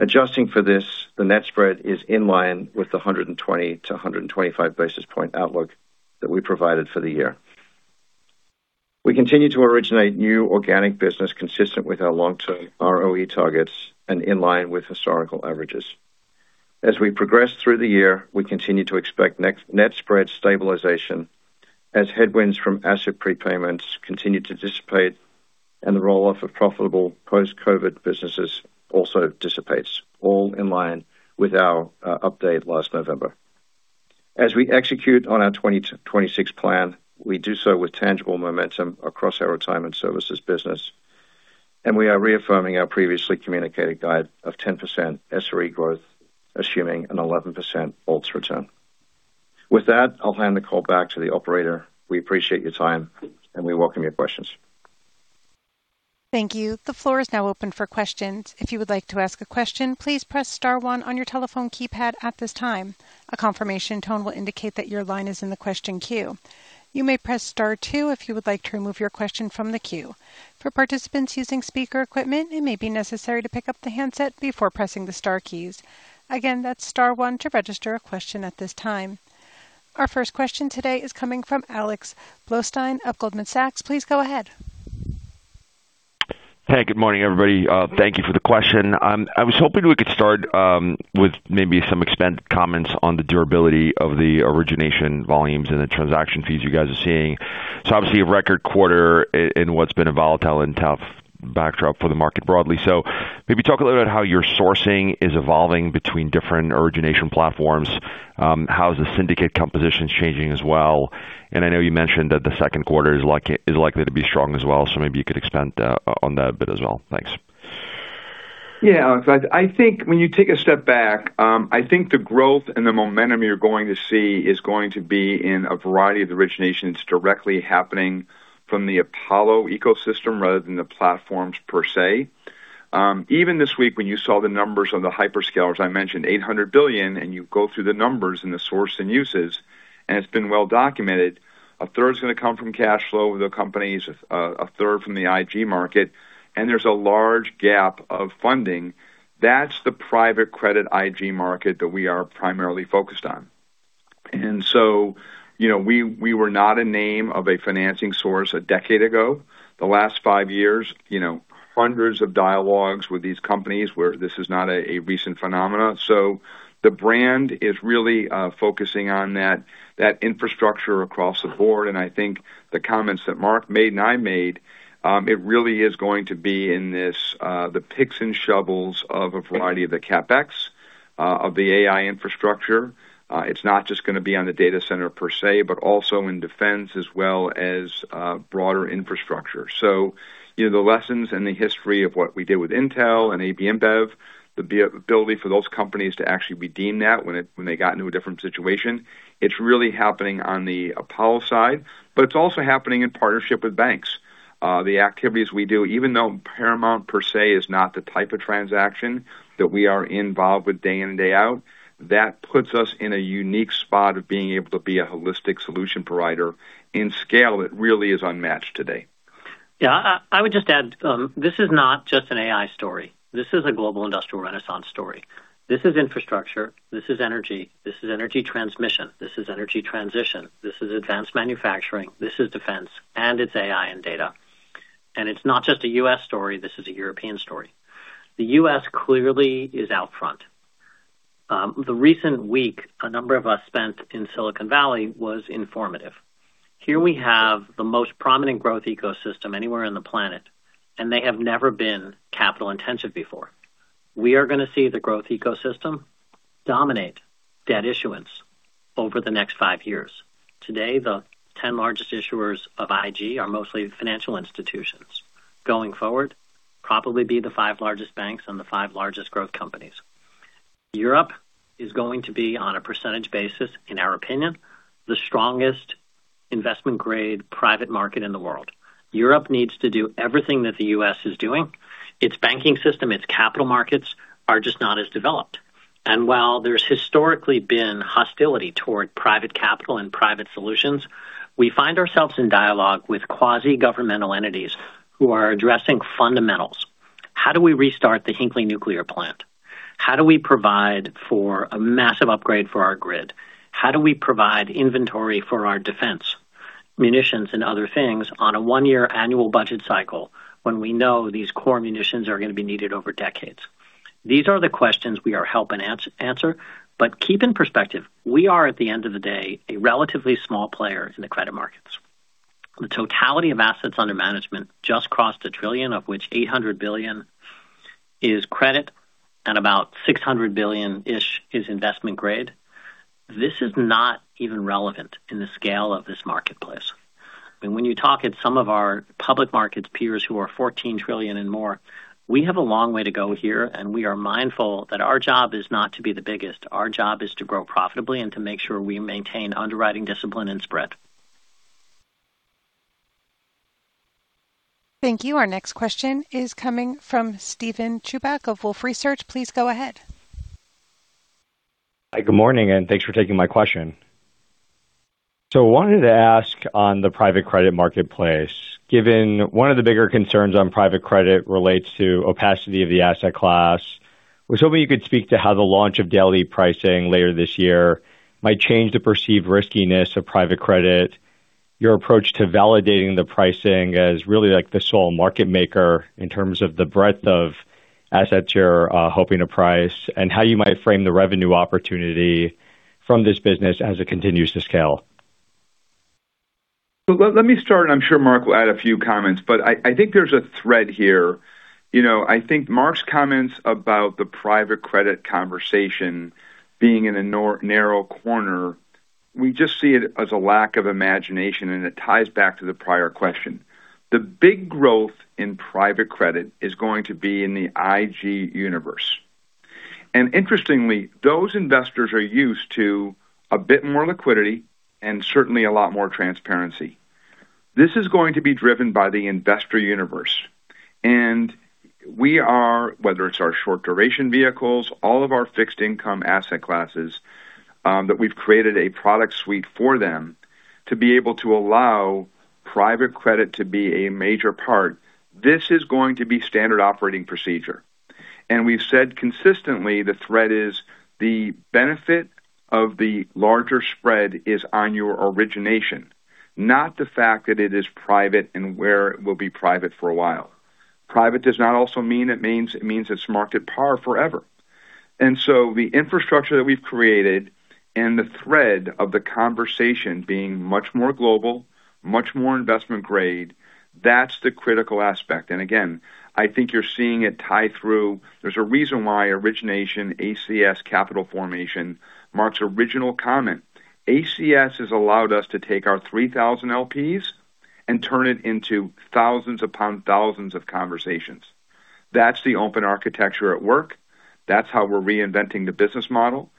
Adjusting for this, the net spread is in line with the 120 to 125 basis point outlook that we provided for the year. We continue to originate new organic business consistent with our long-term ROE targets and in line with historical averages. As we progress through the year, we continue to expect net spread stabilization as headwinds from asset prepayments continue to dissipate and the roll-off of profitable post-COVID businesses also dissipates, all in line with our update last November. As we execute on our 2026 plan, we do so with tangible momentum across our Retirement Services business, and we are reaffirming our previously communicated guide of 10% SRE growth, assuming an 11% alts return. With that, I'll hand the call back to the operator. We appreciate your time, and we welcome your questions. Our first question today is coming from Alex Blostein of Goldman Sachs. Please go ahead. Hey, good morning, everybody. Thank you for the question. I was hoping we could start with maybe some expand comments on the durability of the origination volumes and the transaction fees you guys are seeing. It's obviously a record quarter in what's been a volatile and tough backdrop for the market broadly. Maybe talk a little bit how your sourcing is evolving between different origination platforms. How is the syndicate compositions changing as well? I know you mentioned that the second quarter is likely to be strong as well, so maybe you could expand on that a bit as well. Thanks. Alex, I think when you take a step back, I think the growth and the momentum you're going to see is going to be in a variety of the originations directly happening from the Apollo ecosystem rather than the platforms per se. Even this week when you saw the numbers on the hyperscalers, I mentioned $800 billion, you go through the numbers and the source and uses, it's been well documented. A third is gonna come from cash flow of the companies, a third from the IG market, there's a large gap of funding. That's the private credit IG market that we are primarily focused on. You know, we were not a name of a financing source a decade ago. The last five years, you know, hundreds of dialogues with these companies where this is not a recent phenomena. The brand is really focusing on that infrastructure across the board. I think the comments that Marc made and I made, it really is going to be in this, the picks and shovels of a variety of the CapEx of the AI infrastructure. It's not just gonna be on the data center per se, but also in defense as well as broader infrastructure. You know, the lessons and the history of what we did with Intel and AB InBev, the ability for those companies to actually redeem that when they got into a different situation. It's really happening on the Apollo side, but it's also happening in partnership with banks. The activities we do, even though Paramount per se is not the type of transaction that we are involved with day in and day out, that puts us in a unique spot of being able to be a holistic solution provider in scale that really is unmatched today. I would just add, this is not just an AI story. This is a global industrial renaissance story. This is infrastructure. This is energy. This is energy transmission. This is energy transition. This is advanced manufacturing. This is defense, it's AI and data. It's not just a U.S. story. This is a European story. The U.S. clearly is out front. The recent week a number of us spent in Silicon Valley was informative. Here we have the most prominent growth ecosystem anywhere on the planet, they have never been capital intensive before. We are gonna see the growth ecosystem dominate debt issuance over the next five years. Today, the 10 largest issuers of IG are mostly financial institutions. Going forward, probably be the five largest banks and the five largest growth companies. Europe is going to be on a percentage basis, in our opinion, the strongest investment-grade private market in the world. Europe needs to do everything that the U.S. is doing. Its banking system, its capital markets are just not as developed. While there's historically been hostility toward private capital and private solutions, we find ourselves in dialogue with quasi-governmental entities who are addressing fundamentals. How do we restart the Hinkley nuclear plant? How do we provide for a massive upgrade for our grid? How do we provide inventory for our defense, munitions, and other things on a one-year annual budget cycle when we know these core munitions are gonna be needed over decades? These are the questions we are helping answer. Keep in perspective, we are, at the end of the day, a relatively small player in the credit markets. The totality of assets under management just crossed $1 trillion, of which $800 billion is credit and about $600 billion-ish is investment grade. This is not even relevant in the scale of this marketplace. When you talk at some of our public markets peers who are $14 trillion and more, we have a long way to go here, and we are mindful that our job is not to be the biggest. Our job is to grow profitably and to make sure we maintain underwriting discipline and spread. Thank you. Our next question is coming from Steven Chubak of Wolfe Research. Please go ahead. Hi, good morning. Thanks for taking my question. I wanted to ask on the private credit marketplace, given one of the bigger concerns on private credit relates to opacity of the asset class. I was hoping you could speak to how the launch of daily pricing later this year might change the perceived riskiness of private credit, your approach to validating the pricing as really, like, the sole market maker in terms of the breadth of assets you're hoping to price, and how you might frame the revenue opportunity from this business as it continues to scale. Let me start, and I'm sure Marc will add a few comments, but I think there's a thread here. You know, I think Marc's comments about the private credit conversation being in a narrow corner, we just see it as a lack of imagination, and it ties back to the prior question. The big growth in private credit is going to be in the IG universe. Interestingly, those investors are used to a bit more liquidity and certainly a lot more transparency. This is going to be driven by the investor universe. We are, whether it's our short duration vehicles, all of our fixed income asset classes, that we've created a product suite for them to be able to allow private credit to be a major part. This is going to be standard operating procedure. We've said consistently the thread is the benefit of the larger spread is on your origination, not the fact that it is private and where it will be private for a while. Private does not also mean it means it's market par forever. The infrastructure that we've created and the thread of the conversation being much more global, much more investment grade, that's the critical aspect. Again, I think you're seeing it tie through. There's a reason why origination, ACS capital formation, Marc's original comment. ACS has allowed us to take our 3,000 LPs and turn it into thousands upon thousands of conversations. That's the open architecture at work. That's how we're reinventing the business model.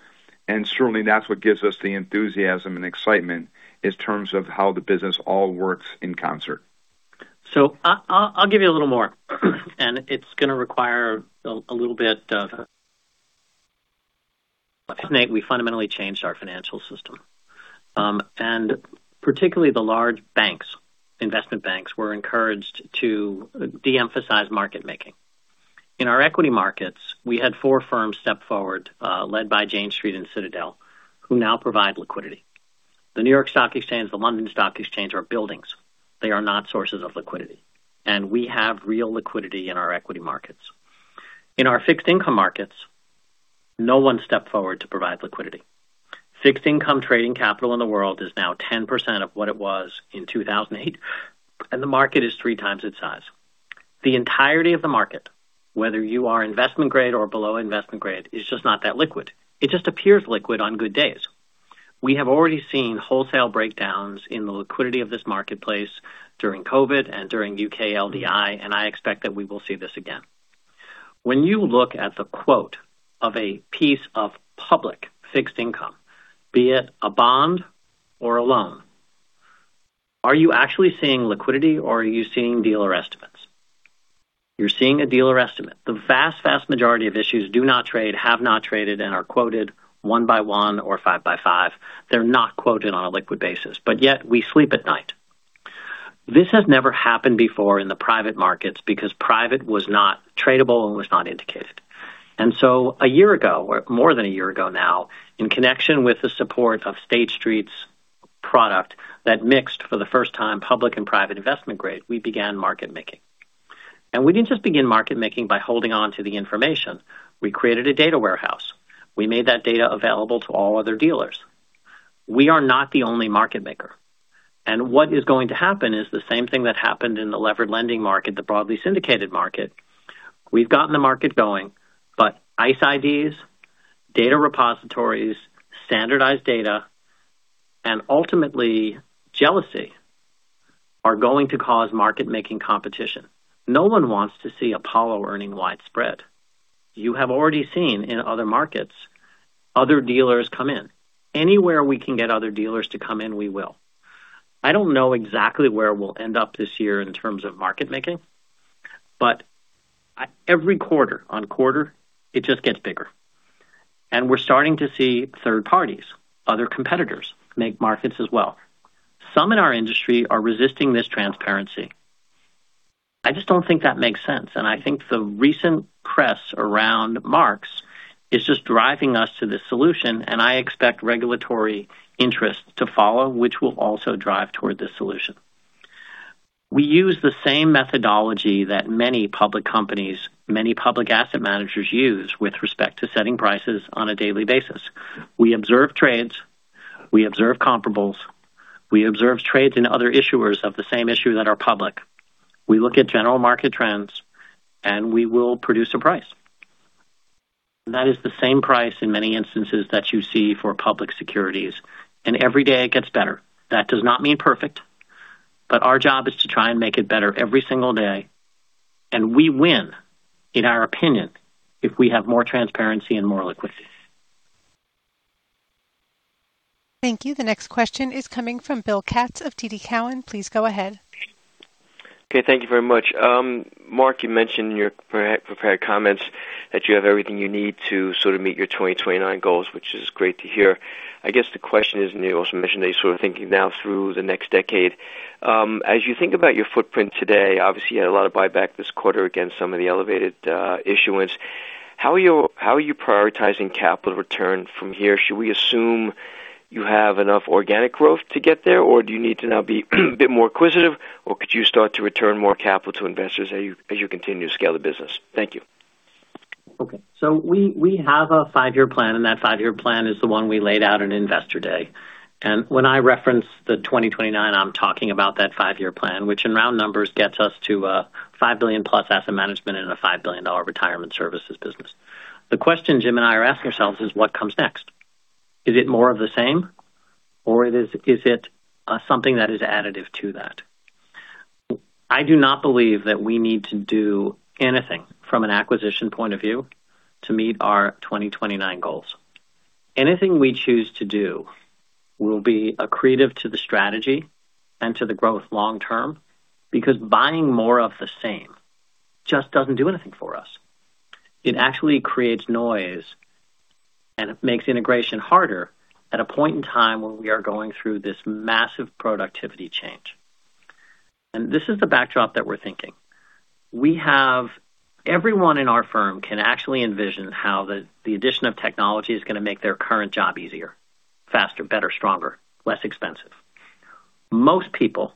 Certainly, that's what gives us the enthusiasm and excitement in terms of how the business all works in concert. I'll give you a little more, and it's gonna require a little bit of. We fundamentally changed our financial system. Particularly the large banks, investment banks were encouraged to de-emphasize market making. In our equity markets, we had four firms step forward, led by Jane Street and Citadel, who now provide liquidity. The New York Stock Exchange, the London Stock Exchange are buildings. They are not sources of liquidity. We have real liquidity in our equity markets. In our fixed income markets, no one stepped forward to provide liquidity. Fixed income trading capital in the world is now 10% of what it was in 2008, and the market is 3x its size. The entirety of the market, whether you are investment grade or below investment grade, is just not that liquid. It just appears liquid on good days. We have already seen wholesale breakdowns in the liquidity of this marketplace during COVID and during U.K. LDI, and I expect that we will see this again. When you look at the quote of a piece of public fixed income, be it a bond or a loan, are you actually seeing liquidity or are you seeing dealer estimates? You're seeing a dealer estimate. The vast majority of issues do not trade, have not traded, and are quoted one by one or five by five. They're not quoted on a liquid basis, but yet we sleep at night. This has never happened before in the private markets because private was not tradable and was not indicated. A year ago, or more than year ago now, in connection with the support of State Street's product that mixed for the first time public and private investment grade, we began market making. We didn't just begin market making by holding onto the information. We created a data warehouse. We made that data available to all other dealers. We are not the only market maker. What is going to happen is the same thing that happened in the levered lending market, the broadly syndicated market. We've gotten the market going, but ICE IDS, data repositories, standardized data, and ultimately jealousy are going to cause market making competition. No one wants to see Apollo earning widespread. You have already seen in other markets other dealers come in. Anywhere we can get other dealers to come in, we will. I don't know exactly where we'll end up this year in terms of market making, but every quarter-over-quarter, it just gets bigger. We're starting to see third parties, other competitors make markets as well. Some in our industry are resisting this transparency. I just don't think that makes sense, and I think the recent press around marks is just driving us to this solution, and I expect regulatory interest to follow, which will also drive toward this solution. We use the same methodology that many public companies, many public asset managers use with respect to setting prices on a daily basis. We observe trades, we observe comparables, we observe trades in other issuers of the same issue that are public. We look at general market trends, and we will produce a price. That is the same price in many instances that you see for public securities. Every day it gets better. That does not mean perfect, but our job is to try and make it better every single day. We win, in our opinion, if we have more transparency and more liquidity. Thank you. The next question is coming from Bill Katz of TD Cowen. Please go ahead. Okay. Thank you very much. Marc, you mentioned in your pre-prepared comments that you have everything you need to sort of meet your 2029 goals, which is great to hear. I guess the question is, and you also mentioned that you're sort of thinking now through the next decade. As you think about your footprint today, obviously you had a lot of buyback this quarter against some of the elevated issuance. How are you prioritizing capital return from here? Should we assume you have enough organic growth to get there, or do you need to now be a bit more acquisitive, or could you start to return more capital to investors as you continue to scale the business? Thank you. We have a five-year plan, and that five-year plan is the one we laid out in Investor Day. When I reference the 2029, I'm talking about that five-year plan, which in round numbers gets us to $5 billion plus asset management and a $5 billion retirement services business. The question Jim and I are asking ourselves is what comes next? Is it more of the same or is it something that is additive to that? I do not believe that we need to do anything from an acquisition point of view to meet our 2029 goals. Anything we choose to do will be accretive to the strategy and to the growth long term, because buying more of the same just doesn't do anything for us. It actually creates noise, and it makes integration harder at a point in time when we are going through this massive productivity change. This is the backdrop that we're thinking. We have everyone in our firm can actually envision how the addition of technology is going to make their current job easier, faster, better, stronger, less expensive. Most people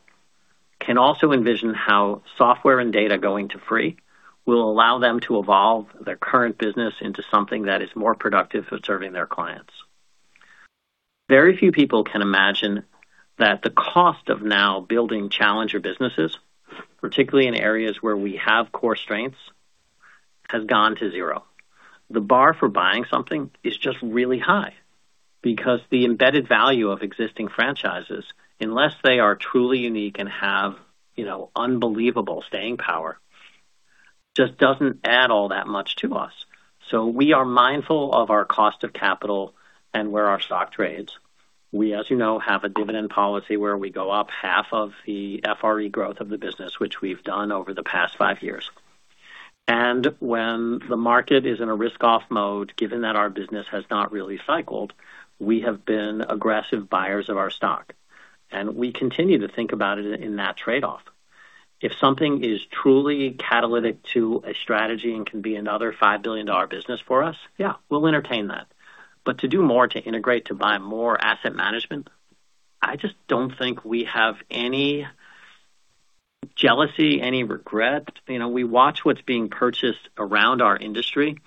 can also envision how software and data going to free will allow them to evolve their current business into something that is more productive for serving their clients. Very few people can imagine that the cost of now building challenger businesses, particularly in areas where we have core strengths, has gone to zero. The bar for buying something is just really high because the embedded value of existing franchises, unless they are truly unique and have, you know, unbelievable staying power, just doesn't add all that much to us. We are mindful of our cost of capital and where our stock trades. We, as you know, have a dividend policy where we go up half of the FRE growth of the business, which we've done over the past five years. When the market is in a risk-off mode, given that our business has not really cycled, we have been aggressive buyers of our stock, and we continue to think about it in that trade-off. If something is truly catalytic to a strategy and can be another $5 billion business for us, yeah, we'll entertain that. To do more to integrate, to buy more asset management, I just don't think we have any jealousy, any regret. You know, we watch what's being purchased around our industry,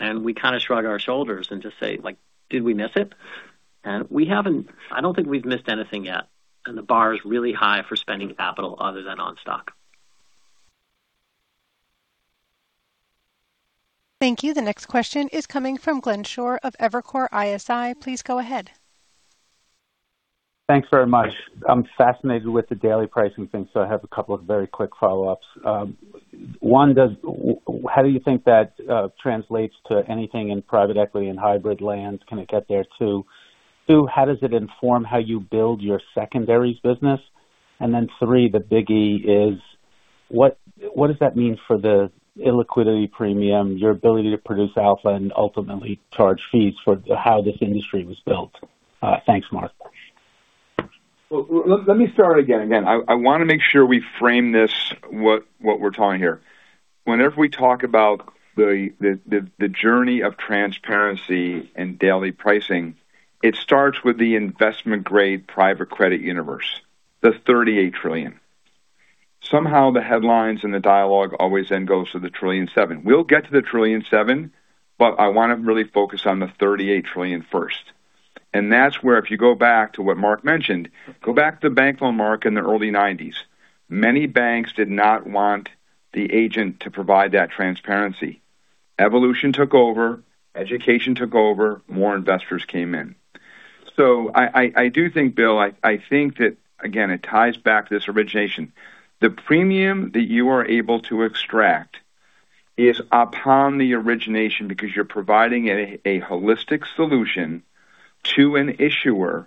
and we kind of shrug our shoulders and just say, like, "Did we miss it?" We haven't. I don't think we've missed anything yet. The bar is really high for spending capital other than on stock. Thank you. The next question is coming from Glenn Schorr of Evercore ISI. Please go ahead. Thanks very much. I'm fascinated with the daily pricing thing, so I have a couple of very quick follow-ups. One, How do you think that translates to anything in private equity and hybrid lands? Can it get there too? Two, how does it inform how you build your secondaries business? Then three, the biggie is what does that mean for the illiquidity premium, your ability to produce alpha and ultimately charge fees for how this industry was built? Thanks, Marc. Well, let me start again. I want to make sure we frame this what we're talking here. Whenever we talk about the journey of transparency and daily pricing, it starts with the investment-grade private credit universe, the $38 trillion. Somehow the headlines and the dialogue always then goes to the $1.7 trillion. We'll get to the $1.7 trillion, I want to really focus on the $38 trillion first. That's where if you go back to what Marc mentioned, go back to the bank loan mark in the early 1990s. Many banks did not want the agent to provide that transparency. Evolution took over, education took over, more investors came in. I do think, Bill, I think that again, it ties back to this origination. The premium that you are able to extract is upon the origination because you're providing a holistic solution to an issuer-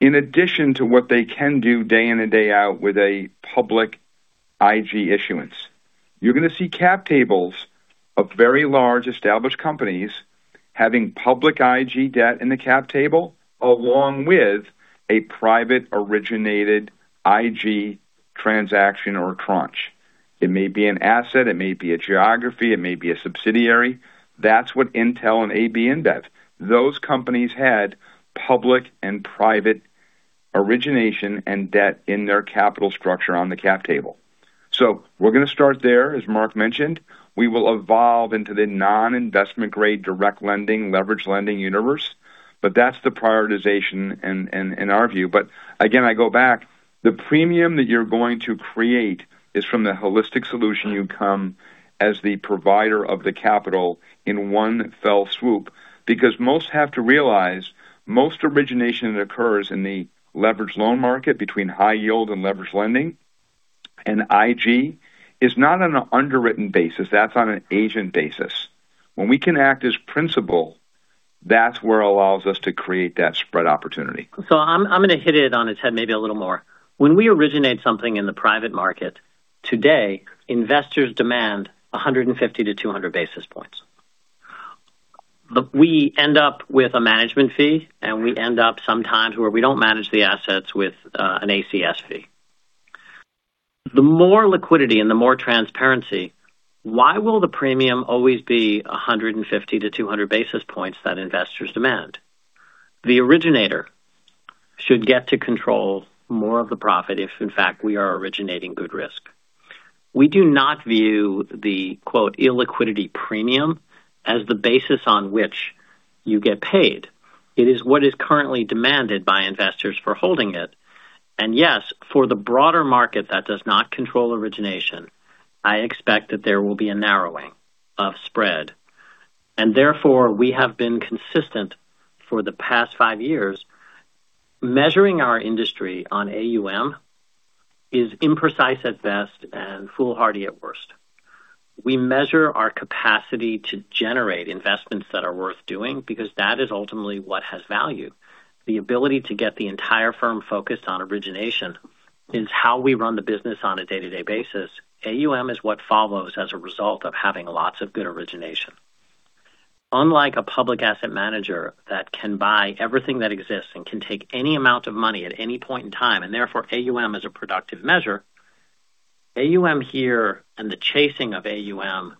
In addition to what they can do day in and day out with a public IG issuance. You're gonna see cap tables of very large established companies having public IG debt in the cap table along with a private originated IG transaction or crunch. It may be an asset, it may be a geography, it may be a subsidiary. That's what Intel and AB InBev. Those companies had public and private origination and debt in their capital structure on the cap table. We're gonna start there, as Marc mentioned. We will evolve into the non-investment grade direct lending, leverage lending universe. That's the prioritization in our view. Again, I go back, the premium that you're going to create is from the holistic solution you come as the provider of the capital in one fell swoop. Most have to realize most origination that occurs in the leverage loan market between high yield and leverage lending and IG is not on an underwritten basis. That's on an agent basis. When we can act as principal, that's where allows us to create that spread opportunity. I'm gonna hit it on its head maybe a little more. When we originate something in the private market today, investors demand 150 to 200 basis points. We end up with a management fee, and we end up sometimes where we don't manage the assets with an ACS fee. The more liquidity and the more transparency, why will the premium always be 150 to 200 basis points that investors demand? The originator should get to control more of the profit if, in fact, we are originating good risk. We do not view the, quote, "illiquidity premium" as the basis on which you get paid. It is what is currently demanded by investors for holding it. Yes, for the broader market that does not control origination, I expect that there will be a narrowing of spread. Therefore, we have been consistent for the past five years. Measuring our industry on AUM is imprecise at best and foolhardy at worst. We measure our capacity to generate investments that are worth doing because that is ultimately what has value. The ability to get the entire firm focused on origination is how we run the business on a day-to-day basis. AUM is what follows as a result of having lots of good origination. Unlike a public asset manager that can buy everything that exists and can take any amount of money at any point in time, and therefore AUM is a productive measure. AUM here and the chasing of AUM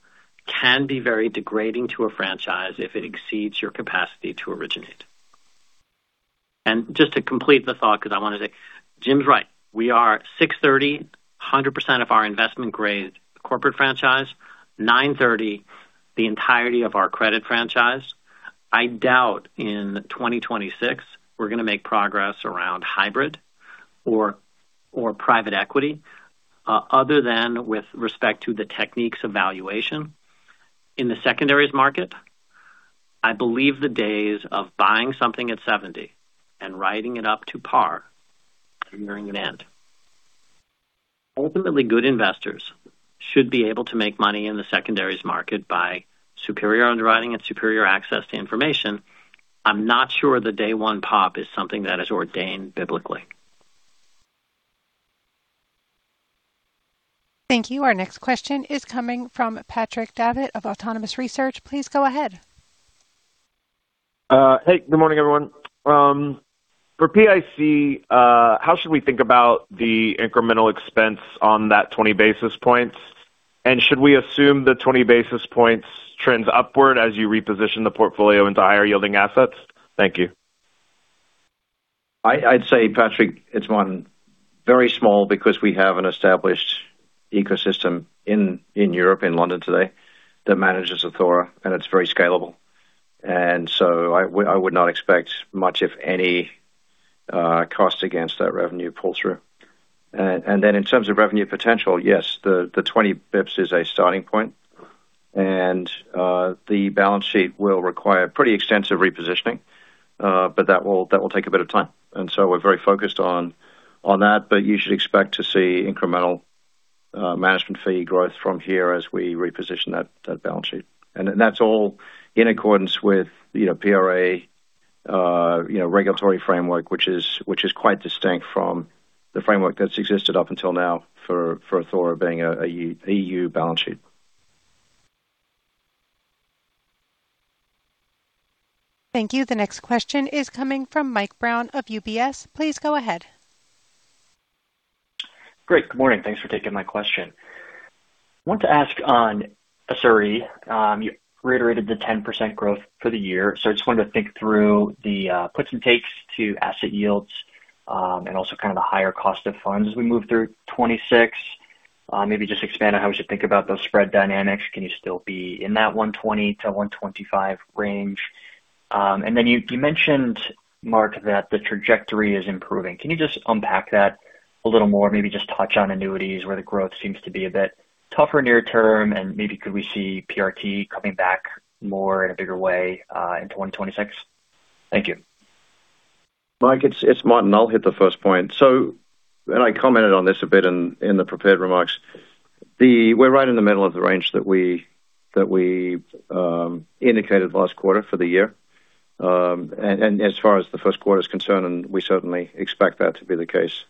can be very degrading to a franchise if it exceeds your capacity to originate. Just to complete the thought because I wanna say Jim's right. We are 630, 100% of our investment grade corporate franchise. 9:30, the entirety of our credit franchise. I doubt in 2026 we're gonna make progress around hybrid or private equity, other than with respect to the techniques of valuation. In the secondaries market, I believe the days of buying something at 70 and writing it up to par are nearing an end. Ultimately, good investors should be able to make money in the secondaries market by superior underwriting and superior access to information. I'm not sure the day one pop is something that is ordained biblically. Thank you. Our next question is coming from Patrick Davitt of Autonomous Research. Please go ahead. Hey, good morning, everyone. For PIC, how should we think about the incremental expense on that 20 basis points? Should we assume the 20 basis points trends upward as you reposition the portfolio into higher yielding assets? Thank you. I'd say, Patrick, it's one very small because we have an established ecosystem in Europe, in London today, that manages Athora, and it's very scalable. I would not expect much, if any, cost against that revenue pull-through. In terms of revenue potential, yes, the 20 bps is a starting point. The balance sheet will require pretty extensive repositioning, but that will take a bit of time. We're very focused on that, but you should expect to see incremental management fee growth from here as we reposition that balance sheet. That's all in accordance with, you know, PRA, you know, regulatory framework, which is quite distinct from the framework that's existed up until now for Athora being an EU balance sheet. Thank you. The next question is coming from Mike Brown of UBS. Please go ahead. Great. Good morning. Thanks for taking my question. I want to ask on Athene SRE. You reiterated the 10% growth for the year. I just wanted to think through the puts and takes to asset yields and also kind of the higher cost of funds as we move through 2026. Maybe just expand on how we should think about those spread dynamics. Can you still be in that 120-125 range? You, you mentioned, Marc Rowan, that the trajectory is improving. Can you just unpack that a little more? Maybe just touch on annuities where the growth seems to be a bit tougher near term, and maybe could we see PRT coming back more in a bigger way into 2026? Thank you. Mike, it's Martin. I'll hit the first point. I commented on this a bit in the prepared remarks. We're right in the middle of the range that we indicated last quarter for the year. As far as the first quarter is concerned, we certainly expect that to be the case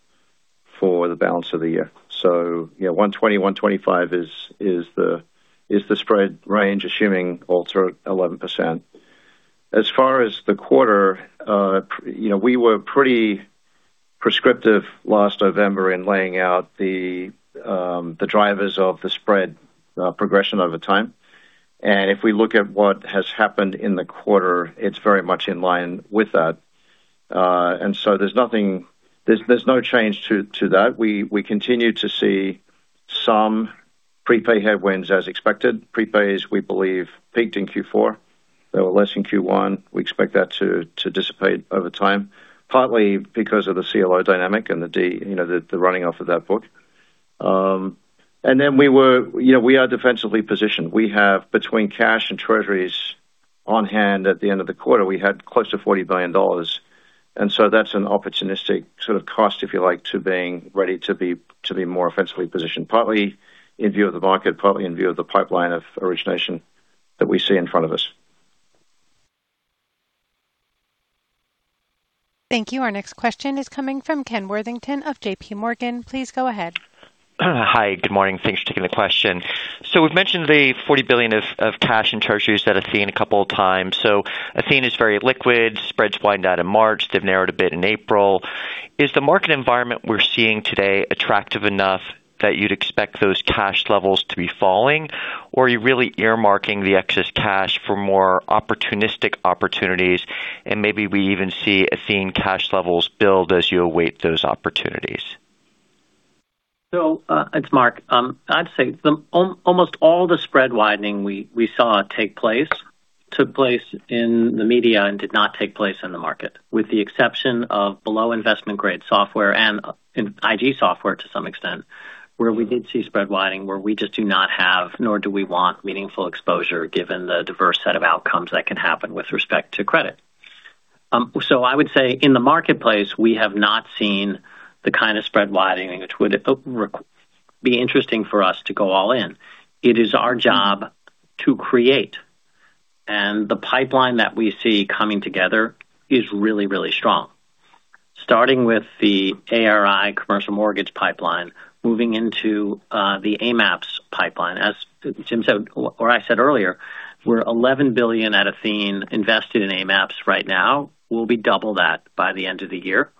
for the balance of the year. You know, 120, 125 is the spread range, assuming also 11%. As far as the quarter, you know, we were pretty prescriptive last November in laying out the drivers of the spread progression over time. If we look at what has happened in the quarter, it's very much in line with that. There's no change to that. We continue to see some prepay headwinds as expected. Prepays, we believe, peaked in Q4. They were less in Q1. We expect that to dissipate over time, partly because of the CLO dynamic and you know, the running off of that book. We are defensively positioned. We have between cash and treasuries on hand at the end of the quarter, we had close to $40 billion. That's an opportunistic sort of cost, if you like, to being ready to be more offensively positioned, partly in view of the market, partly in view of the pipeline of origination that we see in front of us. Thank you. Our next question is coming from Ken Worthington of JPMorgan. Please go ahead. Hi. Good morning. Thanks for taking the question. We've mentioned the $40 billion of cash and treasuries that Athene a couple of times. Athene is very liquid. Spreads widened out in March. They've narrowed a bit in April. Is the market environment we're seeing today attractive enough that you'd expect those cash levels to be falling? Are you really earmarking the excess cash for more opportunistic opportunities? Maybe we even see Athene cash levels build as you await those opportunities. It's Marc. I'd say almost all the spread widening we saw take place took place in the media and did not take place in the market, with the exception of below investment-grade SOFR and IG SOFR to some extent, where we did see spread widening, where we just do not have, nor do we want meaningful exposure given the diverse set of outcomes that can happen with respect to credit. I would say in the marketplace, we have not seen the kind of spread widening which would be interesting for us to go all in. It is our job to create, and the pipeline that we see coming together is really, really strong. Starting with the ARI commercial mortgage pipeline, moving into the AMAPS pipeline. As Jim said or I said earlier, we're $11 billion at Athene invested in AMAPS right now. We'll be 2x that by the end of the year,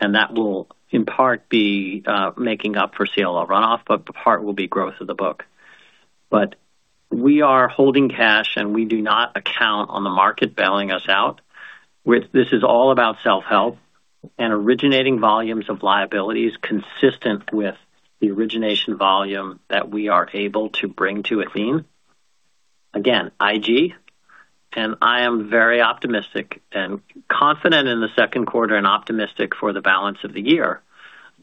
that will in part be making up for CLO runoff, part will be growth of the book. We are holding cash, and we do not account on the market bailing us out. This is all about self-help and originating volumes of liabilities consistent with the origination volume that we are able to bring to Athene. Again, IG, I am very optimistic and confident in the 2nd quarter and optimistic for the balance of the year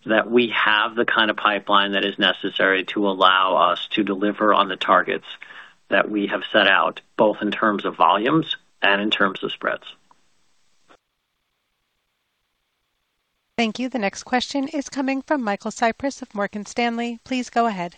that we have the kind of pipeline that is necessary to allow us to deliver on the targets that we have set out, both in terms of volumes and in terms of spreads. Thank you. The next question is coming from Michael Cyprys of Morgan Stanley. Please go ahead.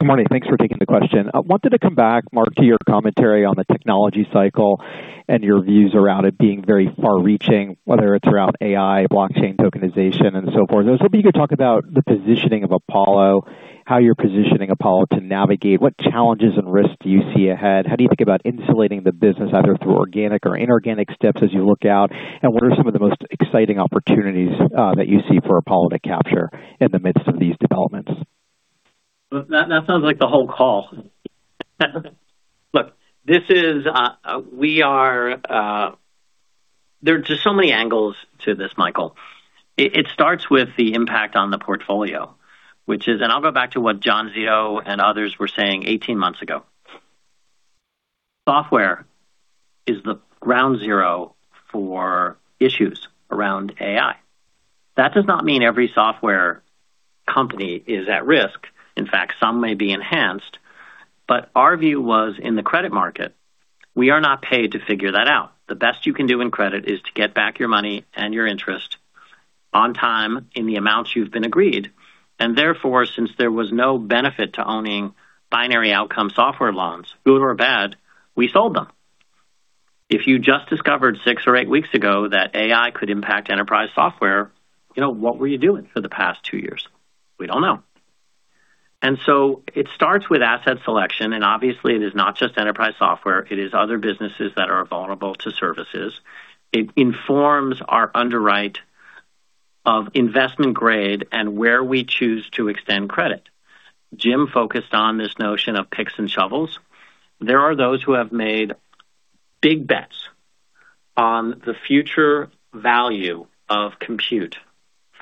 Good morning. Thanks for taking the question. I wanted to come back, Marc, to your commentary on the technology cycle and your views around it being very far-reaching, whether it's around AI, blockchain tokenization, and so forth. I was hoping you could talk about the positioning of Apollo, how you're positioning Apollo to navigate. What challenges and risks do you see ahead? How do you think about insulating the business either through organic or inorganic steps as you look out? What are some of the most exciting opportunities that you see for Apollo to capture in the midst of these developments? That sounds like the whole call. Look, this is. There are just so many angles to this, Michael. It starts with the impact on the portfolio, which is, and I'll go back to what John Zito and others were saying 18 months ago. Software is the ground zero for issues around AI. That does not mean every software company is at risk. In fact, some may be enhanced. Our view was in the credit market, we are not paid to figure that out. The best you can do in credit is to get back your money and your interest on time in the amounts you've been agreed. Therefore, since there was no benefit to owning binary outcome software loans, good or bad, we sold them. If you just discovered six or eight weeks ago that AI could impact enterprise software, you know, what were you doing for the past two years? We don't know. It starts with asset selection, and obviously it is not just enterprise software, it is other businesses that are vulnerable to services. It informs our underwrite of investment grade and where we choose to extend credit. Jim focused on this notion of picks and shovels. There are those who have made big bets on the future value of compute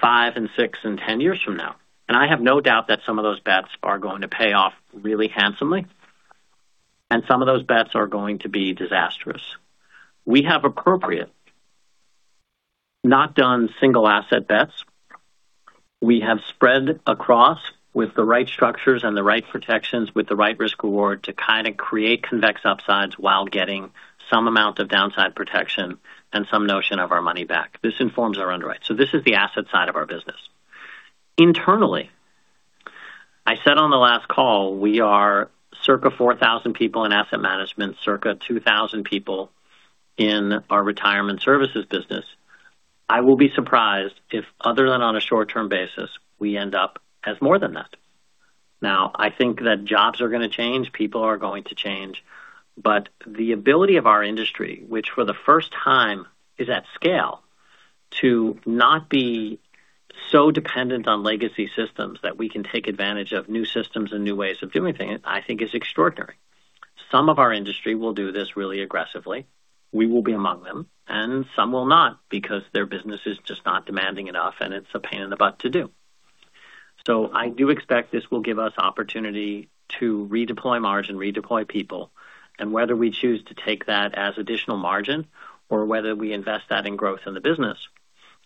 five and six and 10 years from now. I have no doubt that some of those bets are going to pay off really handsomely, and some of those bets are going to be disastrous. We have appropriate not done single asset bets. We have spread across with the right structures and the right protections with the right risk reward to kind of create convex upsides while getting some amount of downside protection and some notion of our money back. This informs our underwrite. This is the asset side of our business. Internally, I said on the last call, we are circa 4,000 people in asset management, circa 2,000 people in our retirement services business. I will be surprised if other than on a short-term basis, we end up as more than that. I think that jobs are gonna change, people are going to change, but the ability of our industry, which for the first time is at scale, to not be so dependent on legacy systems that we can take advantage of new systems and new ways of doing things, I think is extraordinary. Some of our industry will do this really aggressively. We will be among them, and some will not because their business is just not demanding enough, and it's a pain in the butt to do. I do expect this will give us opportunity to redeploy margin, redeploy people, and whether we choose to take that as additional margin or whether we invest that in growth in the business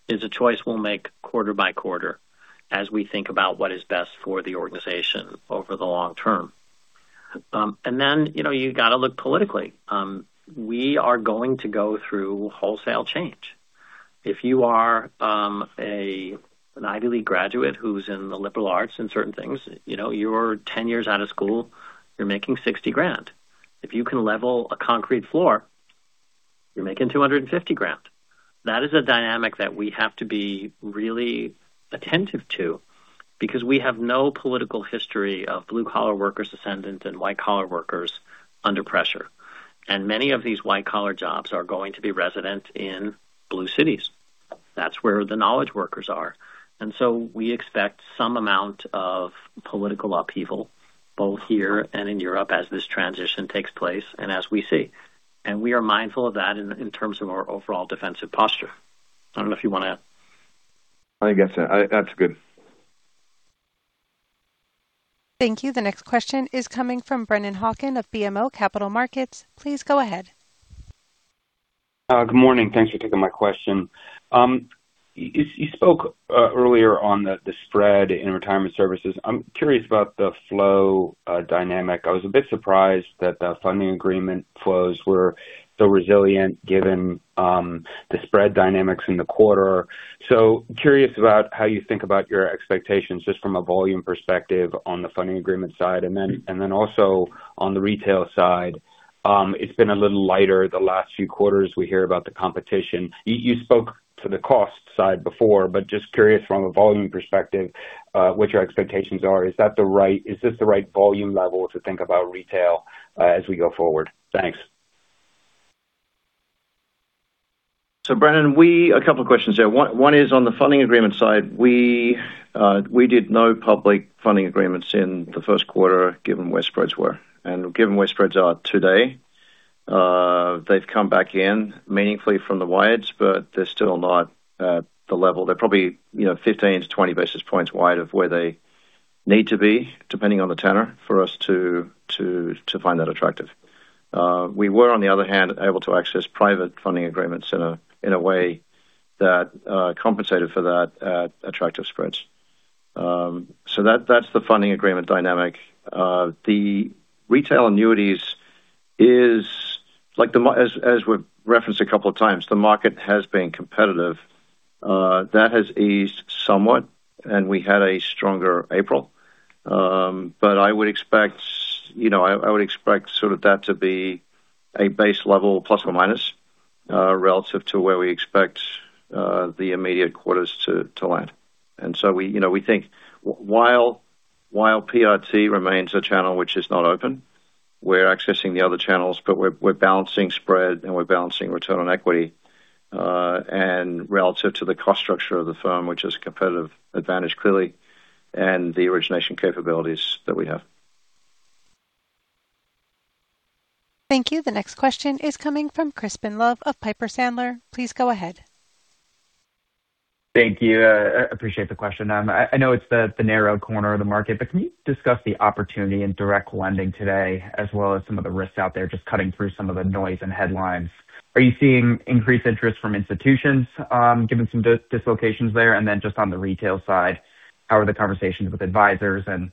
is a choice we'll make quarter by quarter as we think about what is best for the organization over the long term. You know, you got to look politically. We are going to go through wholesale change. If you are an Ivy League graduate who's in the liberal arts in certain things, you know, you're 10 years out of school, you're making $60,000. If you can level a concrete floor, you're making $250,000. That is a dynamic that we have to be really attentive to because we have no political history of blue-collar workers ascendant and white-collar workers under pressure. Many of these white-collar jobs are going to be resident in blue cities. That's where the knowledge workers are. We expect some amount of political upheaval, both here and in Europe, as this transition takes place and as we see. We are mindful of that in terms of our overall defensive posture. I don't know if you wanna. I guess, that's good. Thank you. The next question is coming from Brennan Hawken of BMO Capital Markets. Please go ahead. Good morning. Thanks for taking my question. You spoke earlier on the spread in retirement services. I'm curious about the flow dynamic. I was a bit surprised that the funding agreement flows were so resilient given the spread dynamics in the quarter. Curious about how you think about your expectations just from a volume perspective on the funding agreement side. Also on the retail side, it's been a little lighter the last few quarters we hear about the competition. You spoke to the cost side before, but just curious from a volume perspective, what your expectations are. Is this the right volume level to think about retail as we go forward? Thanks. Brennan, we, a couple of questions there. One is on the funding agreement side. We, did no public funding agreements in the first quarter, given where spreads were. Given where spreads are today, they've come back in meaningfully from the wides, but they're still not at the level. They're probably, you know, 15 to 20 basis points wide of where they need to be, depending on the tenor for us to find that attractive. We were, on the other hand, able to access private funding agreements in a way that compensated for that at attractive spreads. That's the funding agreement dynamic. The retail annuities is like, as we've referenced a couple of times, the market has been competitive. That has eased somewhat, and we had a stronger April. I would expect, you know, I would expect sort of that to be a base level ± relative to where we expect the immediate quarters to land. We, you know, we think while PRT remains a channel which is not open, we're accessing the other channels, but we're balancing spread and we're balancing return on equity and relative to the cost structure of the firm, which is competitive advantage, clearly, and the origination capabilities that we have. Thank you. The next question is coming from Crispin Love of Piper Sandler. Please go ahead. Thank you. I appreciate the question. I know it's the narrow corner of the market, but can you discuss the opportunity in direct lending today as well as some of the risks out there, just cutting through some of the noise and headlines? Are you seeing increased interest from institutions, given some dislocations there? Just on the retail side, how are the conversations with advisors and,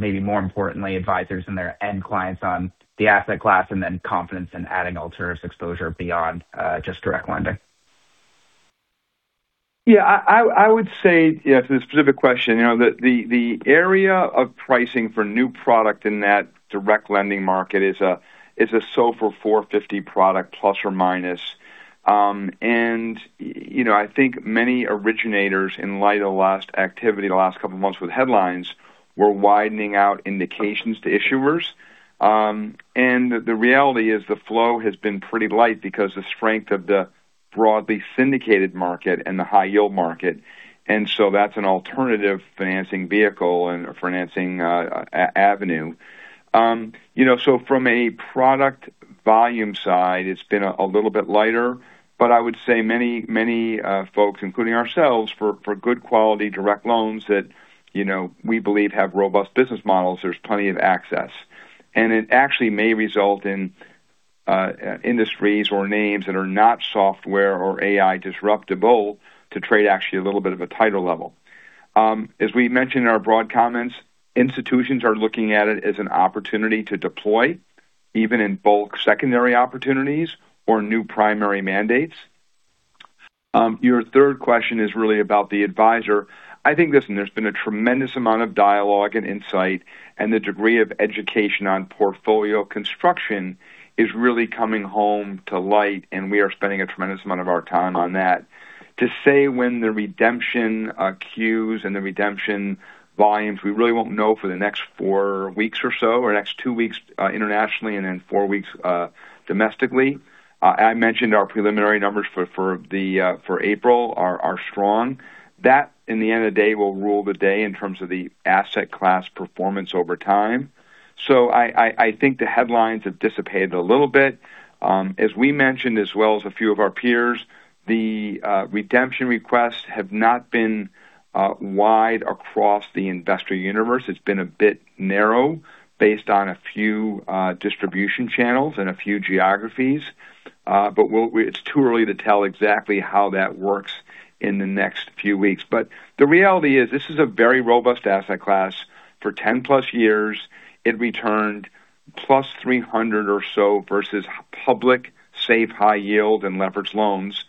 maybe more importantly, advisors and their end clients on the asset class, and then confidence in adding alts exposure beyond just direct lending? Yeah, I would say, yeah, to the specific question, you know, the area of pricing for new product in that direct lending market is a SOFR 450 product plus or minus. You know, I think many originators in light of the last activity the last couple of months with headlines were widening out indications to issuers. The reality is the flow has been pretty light because the strength of the broadly syndicated market and the high yield market. That's an alternative financing vehicle and a financing avenue. You know, from a product volume side, it's been a little bit lighter. I would say many folks, including ourselves, for good quality direct loans that, you know, we believe have robust business models, there's plenty of access. It actually may result in industries or names that are not software or AI disruptable to trade actually a little bit of a tighter level. As we mentioned in our broad comments, institutions are looking at it as an opportunity to deploy even in bulk secondary opportunities or new primary mandates. Your third question is really about the advisor. I think there's been a tremendous amount of dialogue and insight, the degree of education on portfolio construction is really coming home to light, and we are spending a tremendous amount of our time on that. To say when the redemption queues and the redemption volumes, we really won't know for the next four weeks or so, or next two weeks internationally and in four weeks domestically. I mentioned our preliminary numbers for the April are strong. That, in the end of the day, will rule the day in terms of the asset class performance over time. I think the headlines have dissipated a little bit. As we mentioned, as well as a few of our peers, the redemption requests have not been wide across the investor universe. It's been a bit narrow based on a few distribution channels and a few geographies. It's too early to tell exactly how that works in the next few weeks. The reality is this is a very robust asset class. For 10 plus years, it returned +300 or so versus public safe high yield and leveraged loans.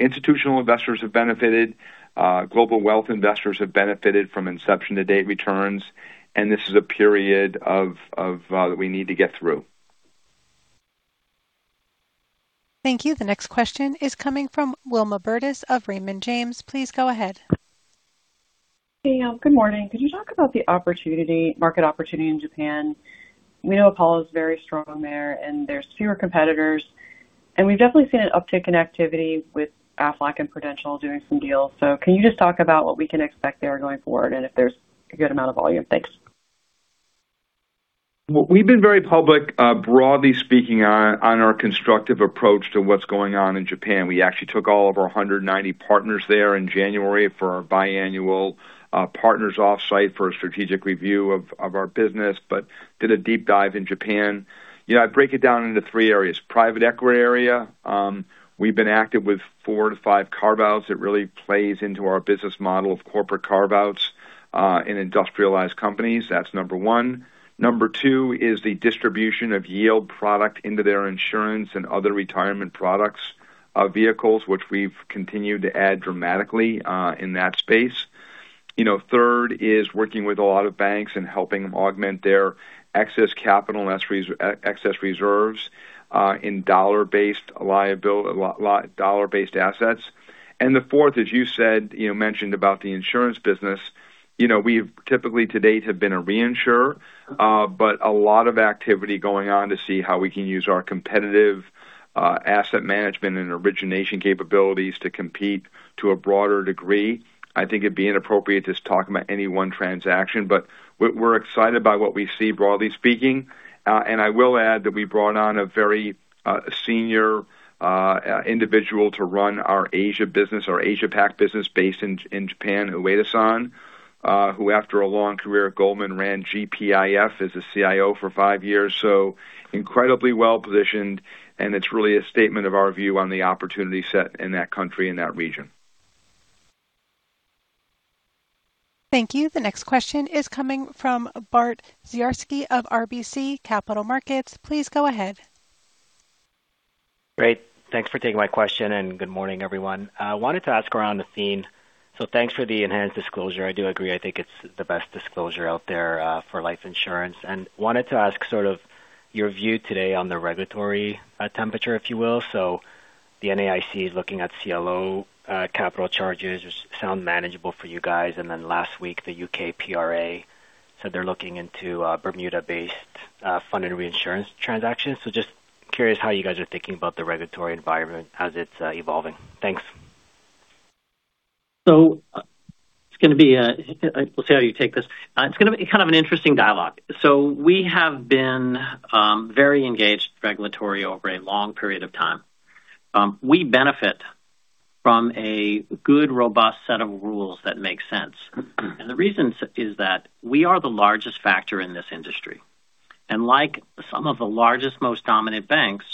Institutional investors have benefited, global wealth investors have benefited from inception to date returns, and this is a period of that we need to get through. Thank you. The next question is coming from Wilma Burtis of Raymond James. Please go ahead. Hey, good morning. Could you talk about the opportunity, market opportunity in Japan? We know Apollo is very strong there, and there's fewer competitors, and we've definitely seen an uptick in activity with Aflac and Prudential doing some deals. Can you just talk about what we can expect there going forward and if there's a good amount of volume? Thanks. We've been very public, broadly speaking, on our constructive approach to what's going on in Japan. We actually took all of our 190 partners there in January for our biannual partners off-site for a strategic review of our business, did a deep dive in Japan. You know, I break it down into three areas. Private equity area, we've been active with four to five carve-outs. It really plays into our business model of corporate carve-outs in industrialized companies. That's number one. Number two is the distribution of yield product into their insurance and other retirement products vehicles, which we've continued to add dramatically in that space. You know, third is working with a lot of banks and helping them augment their excess capital and that's excess reserves in dollar-based assets. The fourth, as you said, you know, mentioned about the insurance business. You know, we've typically to date have been a reinsurer, but a lot of activity going on to see how we can use our competitive asset management and origination capabilities to compete to a broader degree. I think it'd be inappropriate just talking about any one transaction, but we're excited by what we see, broadly speaking. I will add that we brought on a very senior individual to run our Asia business, our Asia Pac business based in Japan, Yasuo Kashiwagi, who after a long career at Goldman, ran GPIF as a CIO for five years. Incredibly well-positioned, and it's really a statement of our view on the opportunity set in that country and that region. Thank you. The next question is coming from Bart Dziarski of RBC Capital Markets. Please go ahead. Great. Thanks for taking my question. Good morning, everyone. I wanted to ask around the theme. Thanks for the enhanced disclosure. I do agree. I think it's the best disclosure out there, for life insurance. Wanted to ask sort of your view today on the regulatory, temperature, if you will. The NAIC is looking at CLO, capital charges, which sound manageable for you guys. Last week, the U.K. PRA said they're looking into, Bermuda-based, funded reinsurance transactions. Just curious how you guys are thinking about the regulatory environment as it's, evolving. Thanks. We'll see how you take this. It's going to be kind of an interesting dialogue. We have been very engaged regulatory over a long period of time. We benefit from a good, robust set of rules that make sense. The reason is that we are the largest factor in this industry. Like some of the largest, most dominant banks,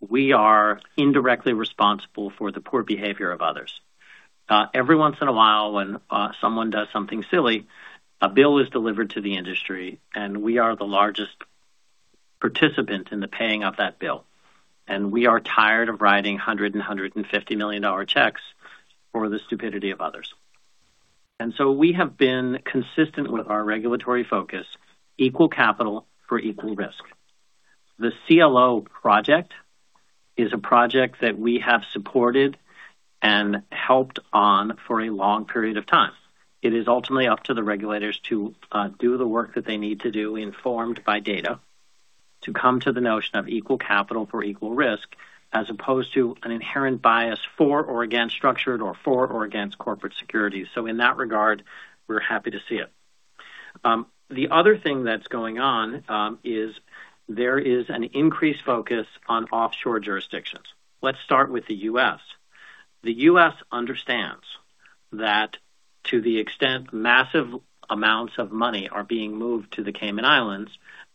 we are indirectly responsible for the poor behavior of others. Every once in a while, when someone does something silly, a bill is delivered to the industry, and we are the largest participant in the paying of that bill. We are tired of writing $150 million checks for the stupidity of others. We have been consistent with our regulatory focus, equal capital for equal risk. The CLO project is a project that we have supported and helped on for a long period of time. It is ultimately up to the regulators to do the work that they need to do, informed by data, to come to the notion of equal capital for equal risk, as opposed to an inherent bias for or against structured or for or against corporate securities. In that regard, we're happy to see it. The other thing that's going on is there is an increased focus on offshore jurisdictions. Let's start with the U.S. The U.S. understands that to the extent massive amounts of money are being moved to the Cayman Islands,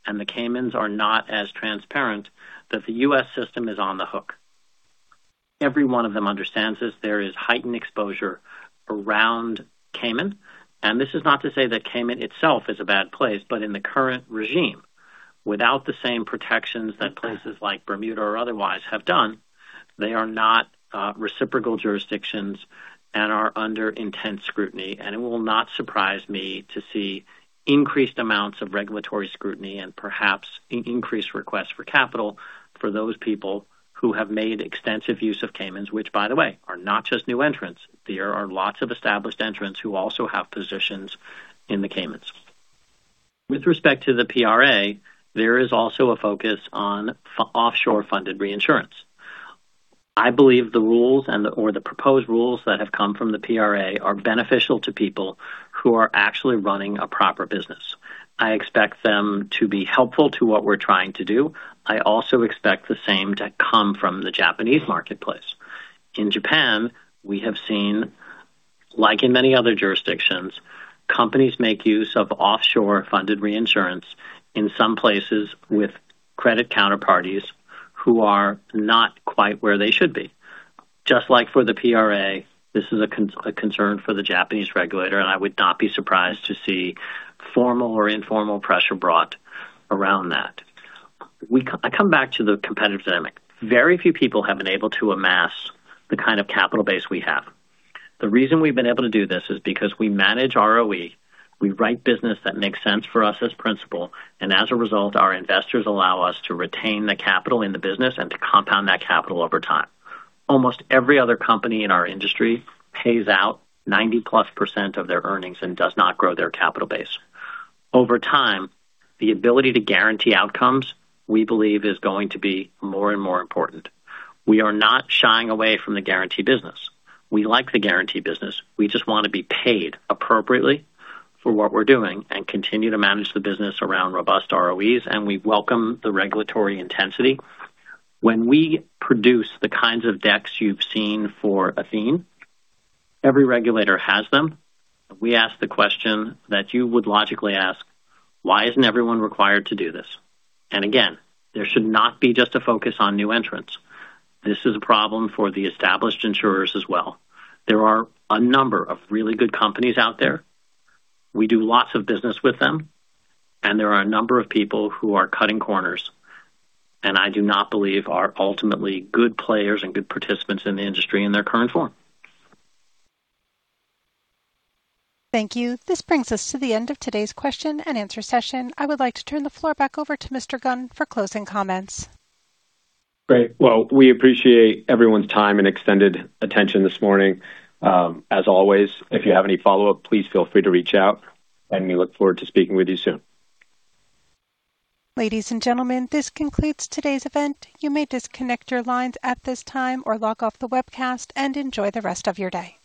and the Caymans are not as transparent, that the U.S. system is on the hook. Every one of them understands this. There is heightened exposure around Cayman. This is not to say that Cayman itself is a bad place, but in the current regime, without the same protections that places like Bermuda or otherwise have done, they are not reciprocal jurisdictions and are under intense scrutiny. It will not surprise me to see increased amounts of regulatory scrutiny and perhaps increased requests for capital for those people who have made extensive use of Cayman, which by the way, are not just new entrants. There are lots of established entrants who also have positions in the Cayman. With respect to the PRA, there is also a focus on offshore funded reinsurance. I believe the rules and/or the proposed rules that have come from the PRA are beneficial to people who are actually running a proper business. I expect them to be helpful to what we're trying to do. I also expect the same to come from the Japanese marketplace. In Japan, we have seen, like in many other jurisdictions, companies make use of offshore funded reinsurance, in some places with credit counterparties who are not quite where they should be. Just like for the PRA, this is a concern for the Japanese regulator, and I would not be surprised to see formal or informal pressure brought around that. I come back to the competitive dynamic. Very few people have been able to amass the kind of capital base we have. The reason we've been able to do this is because we manage ROE, we write business that makes sense for us as principal, and as a result, our investors allow us to retain the capital in the business and to compound that capital over time. Almost every other company in our industry pays out 90%+ of their earnings and does not grow their capital base. Over time, the ability to guarantee outcomes, we believe, is going to be more and more important. We are not shying away from the guarantee business. We like the guarantee business. We just want to be paid appropriately for what we're doing and continue to manage the business around robust ROEs. We welcome the regulatory intensity. When we produce the kinds of decks you've seen for Athene, every regulator has them. We ask the question that you would logically ask, why isn't everyone required to do this? Again, there should not be just a focus on new entrants. This is a problem for the established insurers as well. There are a number of really good companies out there. We do lots of business with them, and there are a number of people who are cutting corners, and I do not believe are ultimately good players and good participants in the industry in their current form. Thank you. This brings us to the end of today's question and answer session. I would like to turn the floor back over to Mr. Gunn for closing comments. Great. Well, we appreciate everyone's time and extended attention this morning. As always, if you have any follow-up, please feel free to reach out, and we look forward to speaking with you soon. Ladies and gentlemen, this concludes today's event. You may disconnect your lines at this time or log off the webcast and enjoy the rest of your day.